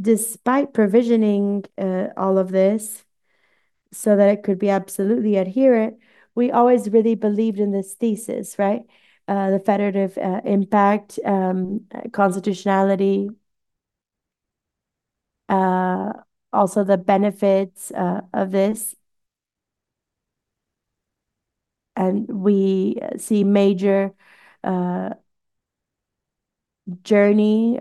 Despite provisioning all of this so that it could be absolutely adherent, we always really believed in this thesis, right? The federative impact constitutionality also the benefits of this. We see major journey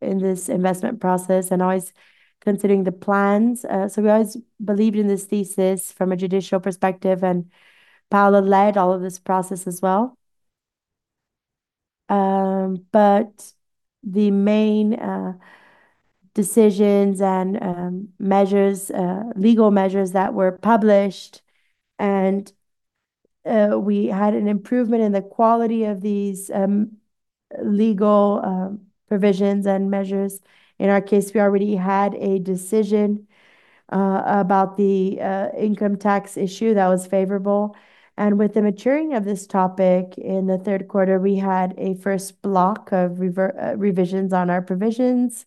in this investment process and always considering the plans. We always believed in this thesis from a judicial perspective, and Paula led all of this process as well. The main decisions and legal measures that were published and we had an improvement in the quality of these legal provisions and measures. In our case, we already had a decision about the income tax issue that was favorable. With the maturing of this topic in the third quarter, we had a first block of revisions on our provisions.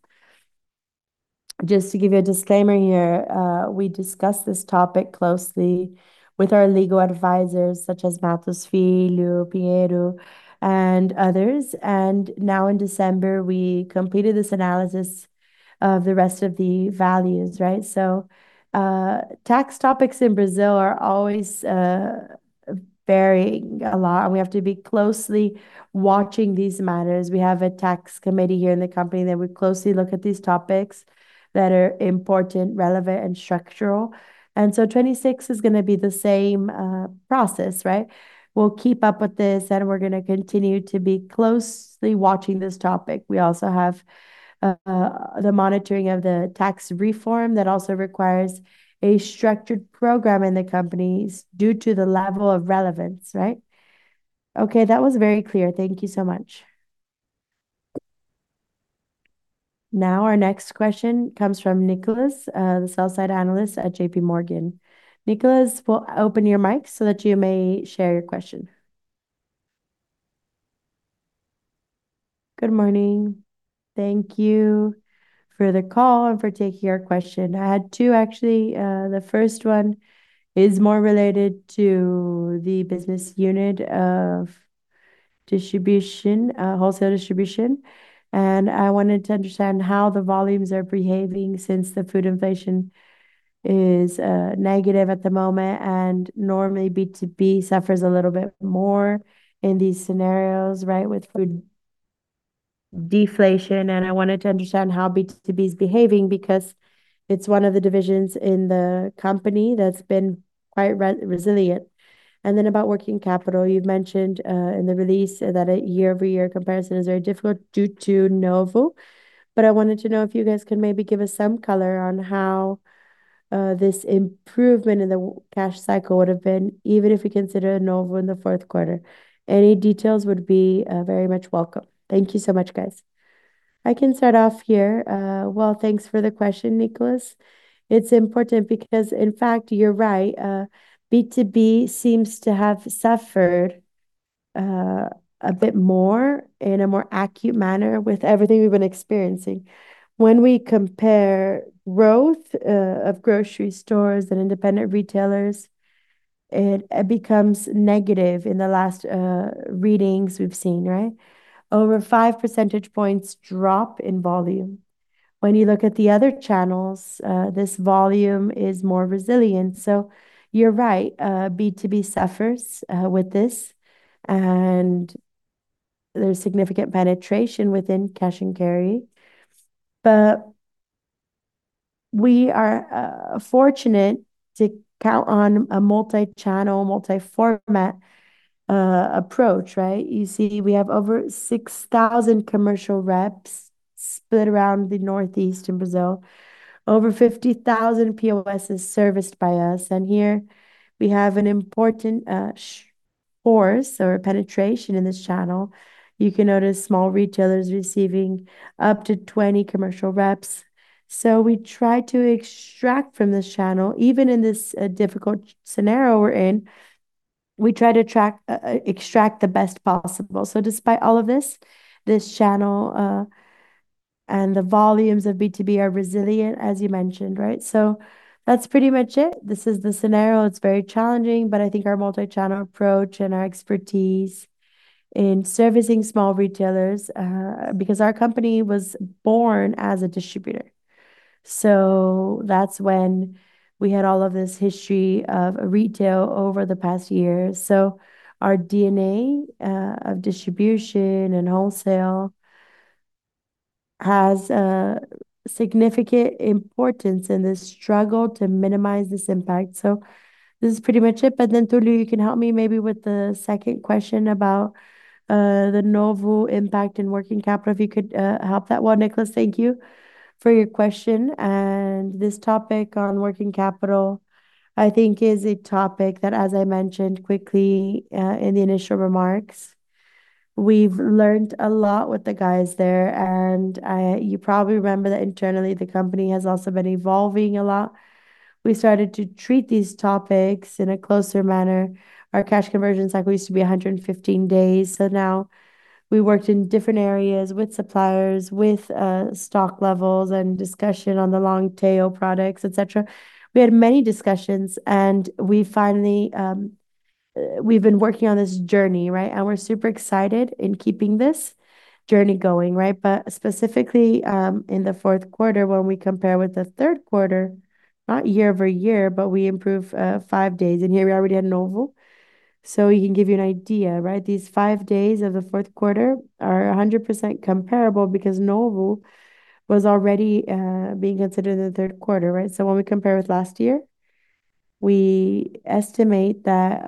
Just to give you a disclaimer here, we discussed this topic closely with our legal advisors such as Mattos Filho, Pinheiro Neto Advogados, and others. Now in December, we completed this analysis of the rest of the values, right? Tax topics in Brazil are always varying a lot, and we have to be closely watching these matters. We have a tax committee here in the company that we closely look at these topics that are important, relevant, and structural. 2026 is gonna be the same process, right? We'll keep up with this, and we're gonna continue to be closely watching this topic. We also have the monitoring of the tax reform that also requires a structured program in the companies due to the level of relevance, right? Okay, that was very clear. Thank you so much. Now our next question comes from Nicholas, the sell-side analyst at JPMorgan. Nicholas, we'll open your mic so that you may share your question. Good morning. Thank you for the call and for taking our question. I had two actually. The first one is more related to the business unit of distribution, wholesale distribution. I wanted to understand how the volumes are behaving since the food inflation is negative at the moment, and normally B2B suffers a little bit more in these scenarios, right? With food deflation, I wanted to understand how B2B is behaving because it's one of the divisions in the company that's been quite resilient. Then about working capital, you've mentioned in the release that a year-over-year comparison is very difficult due to Novo. I wanted to know if you guys could maybe give us some color on how this improvement in the cash cycle would have been, even if we consider Novo in the fourth quarter. Any details would be very much welcome. Thank you so much, guys. I can start off here. Well, thanks for the question, Nicholas. It's important because, in fact, you're right. B2B seems to have suffered a bit more in a more acute manner with everything we've been experiencing. When we compare growth of grocery stores and independent retailers, it becomes negative in the last readings we've seen, right? Over 5 percentage points drop in volume. When you look at the other channels, this volume is more resilient. You're right, B2B suffers with this, and there's significant penetration within cash-and-carry. We are fortunate to count on a multi-channel, multi-format approach, right? You see, we have over 6,000 commercial reps split around the Northeast in Brazil. Over 50,000 POS is serviced by us, and here we have an important sales force and penetration in this channel. You can notice small retailers receiving up to 20 commercial reps. We try to extract from this channel. Even in this difficult scenario we're in, we try to extract the best possible. Despite all of this channel and the volumes of B2B are resilient, as you mentioned, right? That's pretty much it. This is the scenario. It's very challenging, but I think our multi-channel approach and our expertise in servicing small retailers, because our company was born as a distributor. That's when we had all of this history of retail over the past years. Our DNA of distribution and wholesale has a significant importance in this struggle to minimize this impact. This is pretty much it. Túlio, you can help me maybe with the second question about the Novo impact in working capital, if you could help that one. Nicholas, thank you for your question. This topic on working capital, I think, is a topic that, as I mentioned quickly in the initial remarks, we've learned a lot with the guys there. You probably remember that internally, the company has also been evolving a lot. We started to treat these topics in a closer manner. Our cash conversion cycle used to be 115 days. Now we worked in different areas with suppliers, with stock levels and discussion on the long tail products, etc. We had many discussions, and we finally we've been working on this journey, right? We're super excited in keeping this journey going, right? Specifically, in the fourth quarter, when we compare with the third quarter, not year-over-year, but we improve five days. Here we already had Novo. We can give you an idea, right? These five days of the fourth quarter are 100% comparable because Novo was already being considered in the third quarter, right? When we compare with last year, we estimate that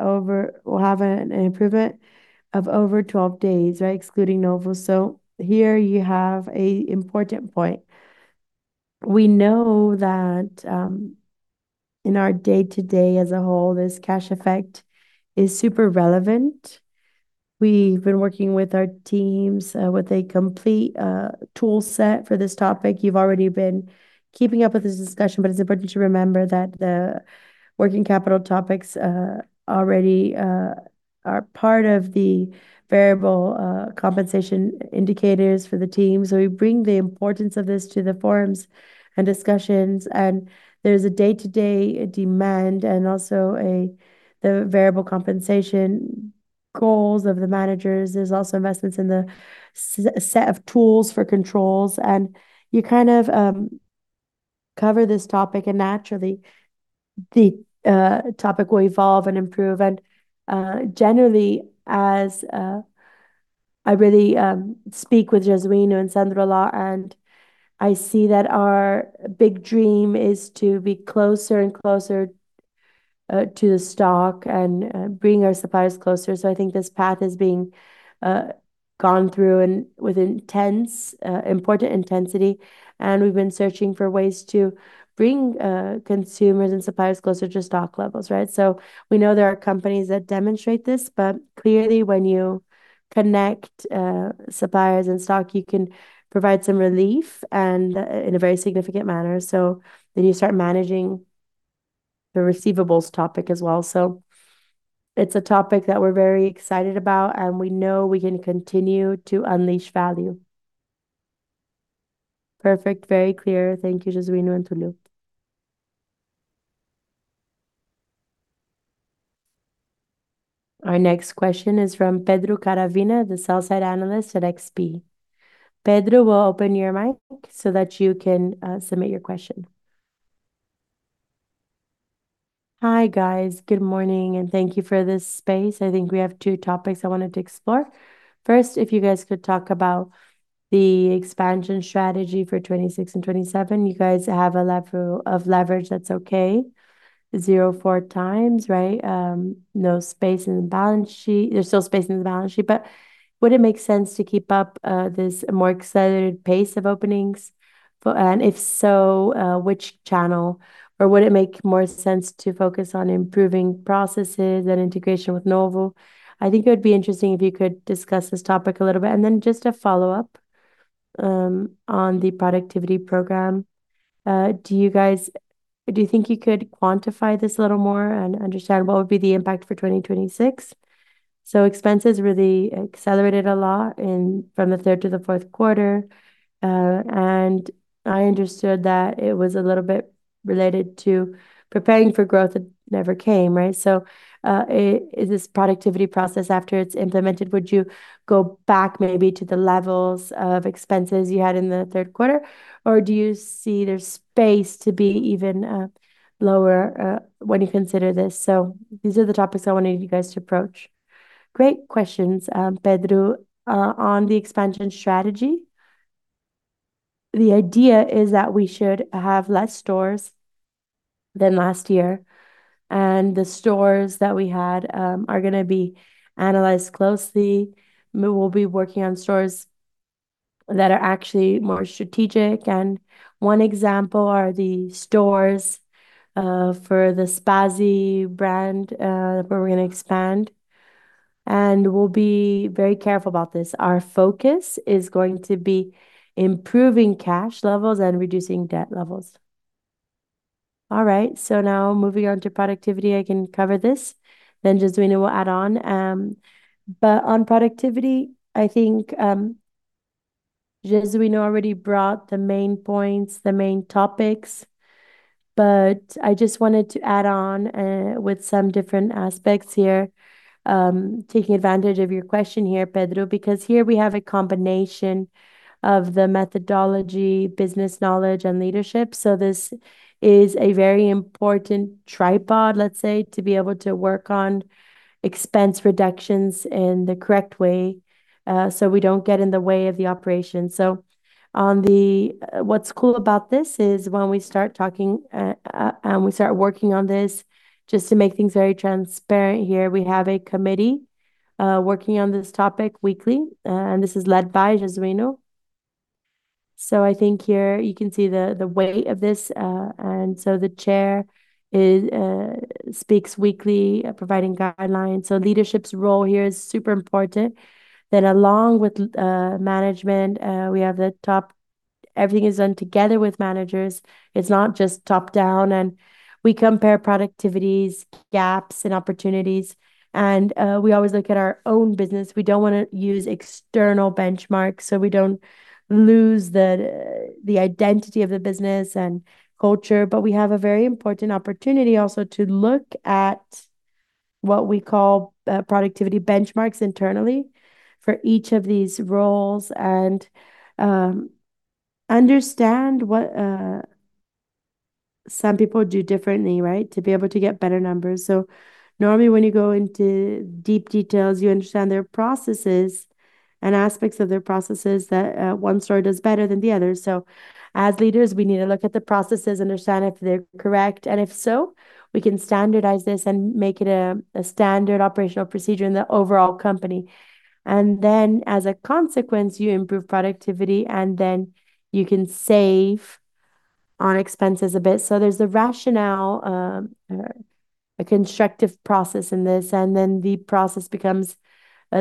we'll have an improvement of over 12 days, right, excluding Novo. Here you have an important point. We know that, in our day-to-day as a whole, this cash effect is super relevant. We've been working with our teams, with a complete tool set for this topic. You've already been keeping up with this discussion, but it's important to remember that the working capital topics already are part of the variable compensation indicators for the team. We bring the importance of this to the forums and discussions, and there's a day-to-day demand and also the variable compensation goals of the managers. There's also investments in the set of tools for controls. You kind of cover this topic, and naturally the topic will evolve and improve. Generally, as I really speak with Jesuíno and Sandro a lot, and I see that our big dream is to be closer and closer to the stock and bring our suppliers closer. I think this path is being gone through and with intense important intensity, and we've been searching for ways to bring consumers and suppliers closer to stock levels, right? We know there are companies that demonstrate this, but clearly, when you connect suppliers and stock, you can provide some relief and in a very significant manner. Then you start managing the receivables topic as well. It's a topic that we're very excited about, and we know we can continue to unleash value. Perfect. Very clear. Thank you, Jesuíno and Túlio. Our next question is from Pedro Caravina, the sell-side analyst at XP. Pedro, we'll open your mic so that you can submit your question. Hi, guys. Good morning, and thank you for this space. I think we have two topics I wanted to explore. First, if you guys could talk about the expansion strategy for 2026 and 2027. You guys have a level of leverage that's okay, 0.4x, right? No space in the balance sheet. There's still space in the balance sheet, but would it make sense to keep up this more accelerated pace of openings? And if so, which channel? Or would it make more sense to focus on improving processes and integration with Novo? I think it would be interesting if you could discuss this topic a little bit. Just a follow-up on the productivity program. Do you guys think you could quantify this a little more and understand what would be the impact for 2026? Expenses really accelerated a lot from the third to the fourth quarter, and I understood that it was a little bit related to preparing for growth that never came, right? Is this productivity process, after it's implemented, would you go back maybe to the levels of expenses you had in the third quarter, or do you see there's space to be even lower when you consider this? These are the topics I wanted you guys to approach. Great questions, Pedro. On the expansion strategy, the idea is that we should have less stores than last year, and the stores that we had are gonna be analyzed closely. We will be working on stores that are actually more strategic, and one example are the stores for the Spazio brand, where we're gonna expand. We'll be very careful about this. Our focus is going to be improving cash levels and reducing debt levels. All right, now moving on to productivity. I can cover this, then Jesuíno will add on. On productivity, I think Jesuíno already brought the main points, the main topics, but I just wanted to add on with some different aspects here, taking advantage of your question here, Pedro. Because here we have a combination of the methodology, business knowledge, and leadership. This is a very important tripod, let's say, to be able to work on expense reductions in the correct way, so we don't get in the way of the operation. On the... What's cool about this is when we start talking, and we start working on this, just to make things very transparent here, we have a committee working on this topic weekly, and this is led by Jesuíno. I think here you can see the weight of this, and so the chair speaks weekly providing guidelines. Leadership's role here is super important. Then along with management, everything is done together with managers. It's not just top-down. We compare productivities, gaps, and opportunities and we always look at our own business. We don't wanna use external benchmarks, so we don't lose the identity of the business and culture. We have a very important opportunity also to look at what we call, productivity benchmarks internally for each of these roles and, understand what, some people do differently, right, to be able to get better numbers. Normally, when you go into deep details, you understand their processes and aspects of their processes that, one store does better than the other. As leaders, we need to look at the processes, understand if they're correct, and if so, we can standardize this and make it a standard operational procedure in the overall company. As a consequence, you improve productivity, and then you can save on expenses a bit. There's a rationale, a constructive process in this, and then the process becomes,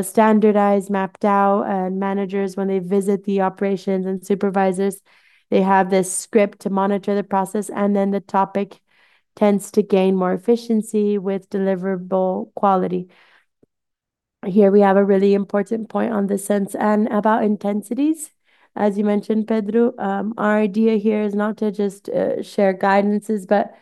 standardized, mapped out. Managers, when they visit the operations and supervisors, they have this script to monitor the process, and then the topic tends to gain more efficiency with deliverable quality. Here we have a really important point on this sense. About intensities, as you mentioned, Pedro, our idea here is not to just share guidances, but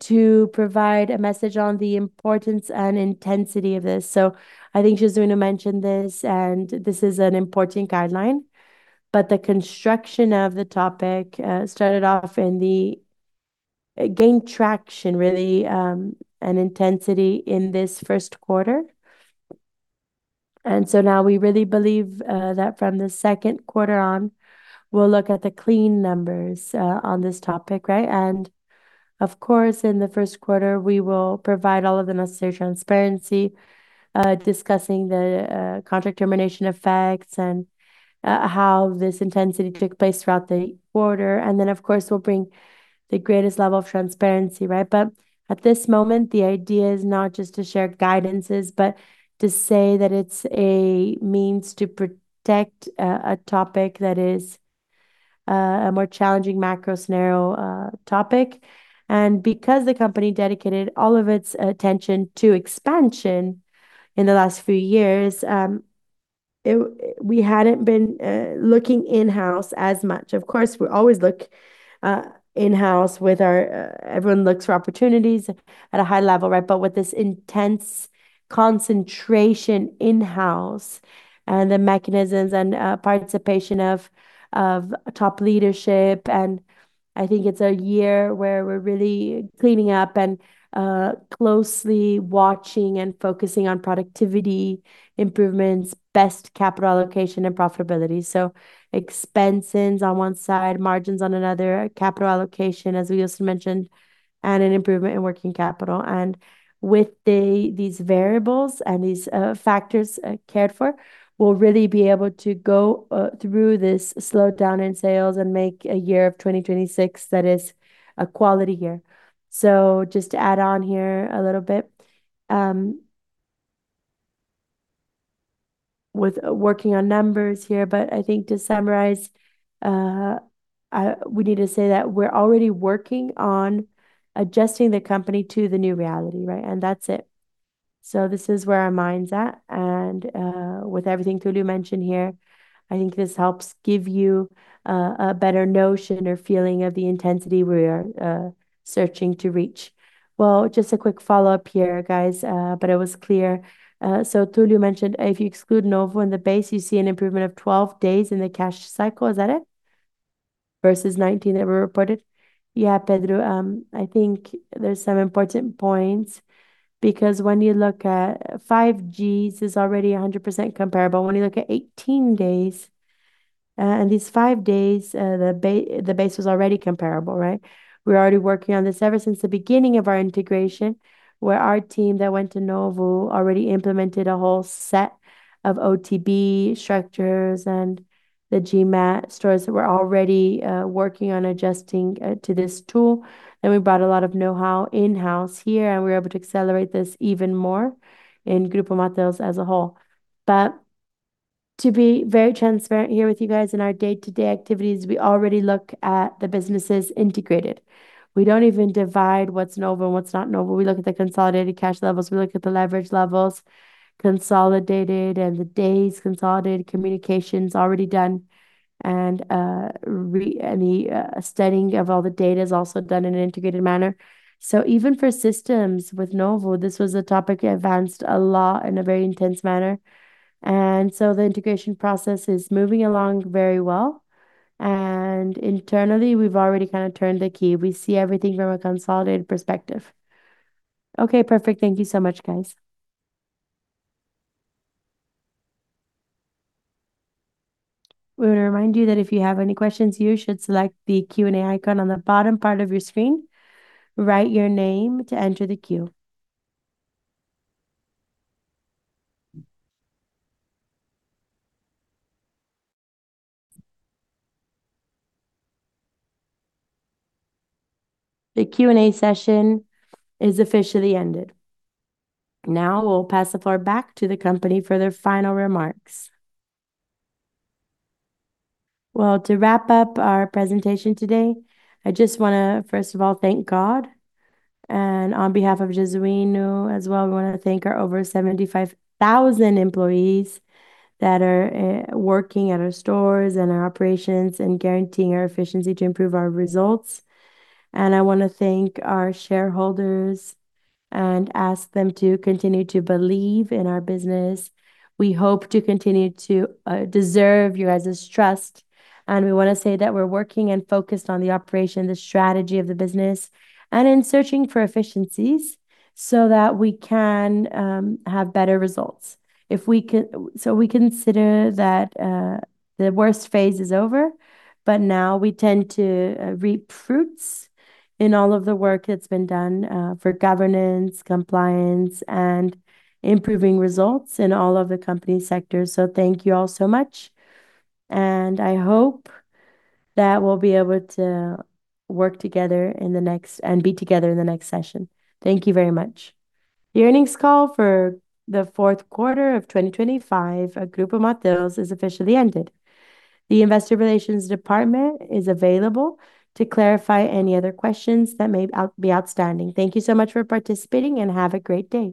to provide a message on the importance and intensity of this. I think Jesuíno mentioned this, and this is an important guideline, but the construction of the topic gained traction really and intensity in this first quarter. Now we really believe that from the second quarter on, we'll look at the clean numbers on this topic, right? Of course, in the first quarter we will provide all of the necessary transparency, discussing the contract termination effects and how this intensity took place throughout the quarter. Then, of course, we'll bring the greatest level of transparency, right? But at this moment, the idea is not just to share guidances, but to say that it's a means to protect a topic that is a more challenging macro scenario. Because the company dedicated all of its attention to expansion in the last few years, we hadn't been looking in-house as much. Of course, we always look in-house. Everyone looks for opportunities at a high level, right? With this intense concentration in-house and the mechanisms and participation of top leadership, and I think it's a year where we're really cleaning up and closely watching and focusing on productivity improvements, best capital allocation, and profitability. Expenses on one side, margins on another, capital allocation, as we also mentioned, and an improvement in working capital. With these variables and these factors cared for, we'll really be able to go through this slowdown in sales and make a year of 2026 that is a quality year. Just to add on here a little bit, with working on numbers here, but I think to summarize, we need to say that we're already working on adjusting the company to the new reality, right? That's it. This is where our mind's at. With everything Túlio mentioned here, I think this helps give you a better notion or feeling of the intensity we are searching to reach. Well, just a quick follow-up here, guys, but it was clear. Túlio mentioned if you exclude Novo in the base, you see an improvement of 12 days in the cash cycle. Is that it? Versus 19 that were reported. Yeah, Pedro, I think there's some important points because when you look at G5 is already 100% comparable. When you look at 18 days, and these five days, the base was already comparable, right? We're already working on this ever since the beginning of our integration, where our team that went to Novo already implemented a whole set of OTB structures and the GMAT stores that were already working on adjusting to this tool. We brought a lot of know-how in-house here, and we were able to accelerate this even more in Grupo Mateus as a whole. To be very transparent here with you guys in our day-to-day activities, we already look at the businesses integrated. We don't even divide what's Novo and what's not Novo. We look at the consolidated cash levels. We look at the leverage levels, consolidated, and the days consolidated. Communication's already done. And the studying of all the data is also done in an integrated manner. Even for systems with Novo, this was a topic advanced a lot in a very intense manner. The integration process is moving along very well. Internally, we've already kinda turned the key. We see everything from a consolidated perspective. Okay, perfect. Thank you so much, guys. We would remind you that if you have any questions, you should select the Q&A icon on the bottom part of your screen. Write your name to enter the queue. The Q&A session is officially ended. Now we'll pass the floor back to the company for their final remarks. To wrap up our presentation today, I just wanna, first of all, thank God. On behalf of Jesuíno as well, we wanna thank our over 75,000 employees that are working at our stores and our operations and guaranteeing our efficiency to improve our results. I wanna thank our shareholders and ask them to continue to believe in our business. We hope to continue to deserve you guys' trust. We wanna say that we're working and focused on the operation, the strategy of the business, and in searching for efficiencies so that we can have better results. We consider that the worst phase is over, but now we tend to reap fruits in all of the work that's been done for governance, compliance, and improving results in all of the company sectors. Thank you all so much, and I hope that we'll be able to work together and be together in the next session. Thank you very much. The earnings call for the fourth quarter of 2025 at Grupo Mateus has officially ended. The investor relations department is available to clarify any other questions that may be outstanding. Thank you so much for participating, and have a great day.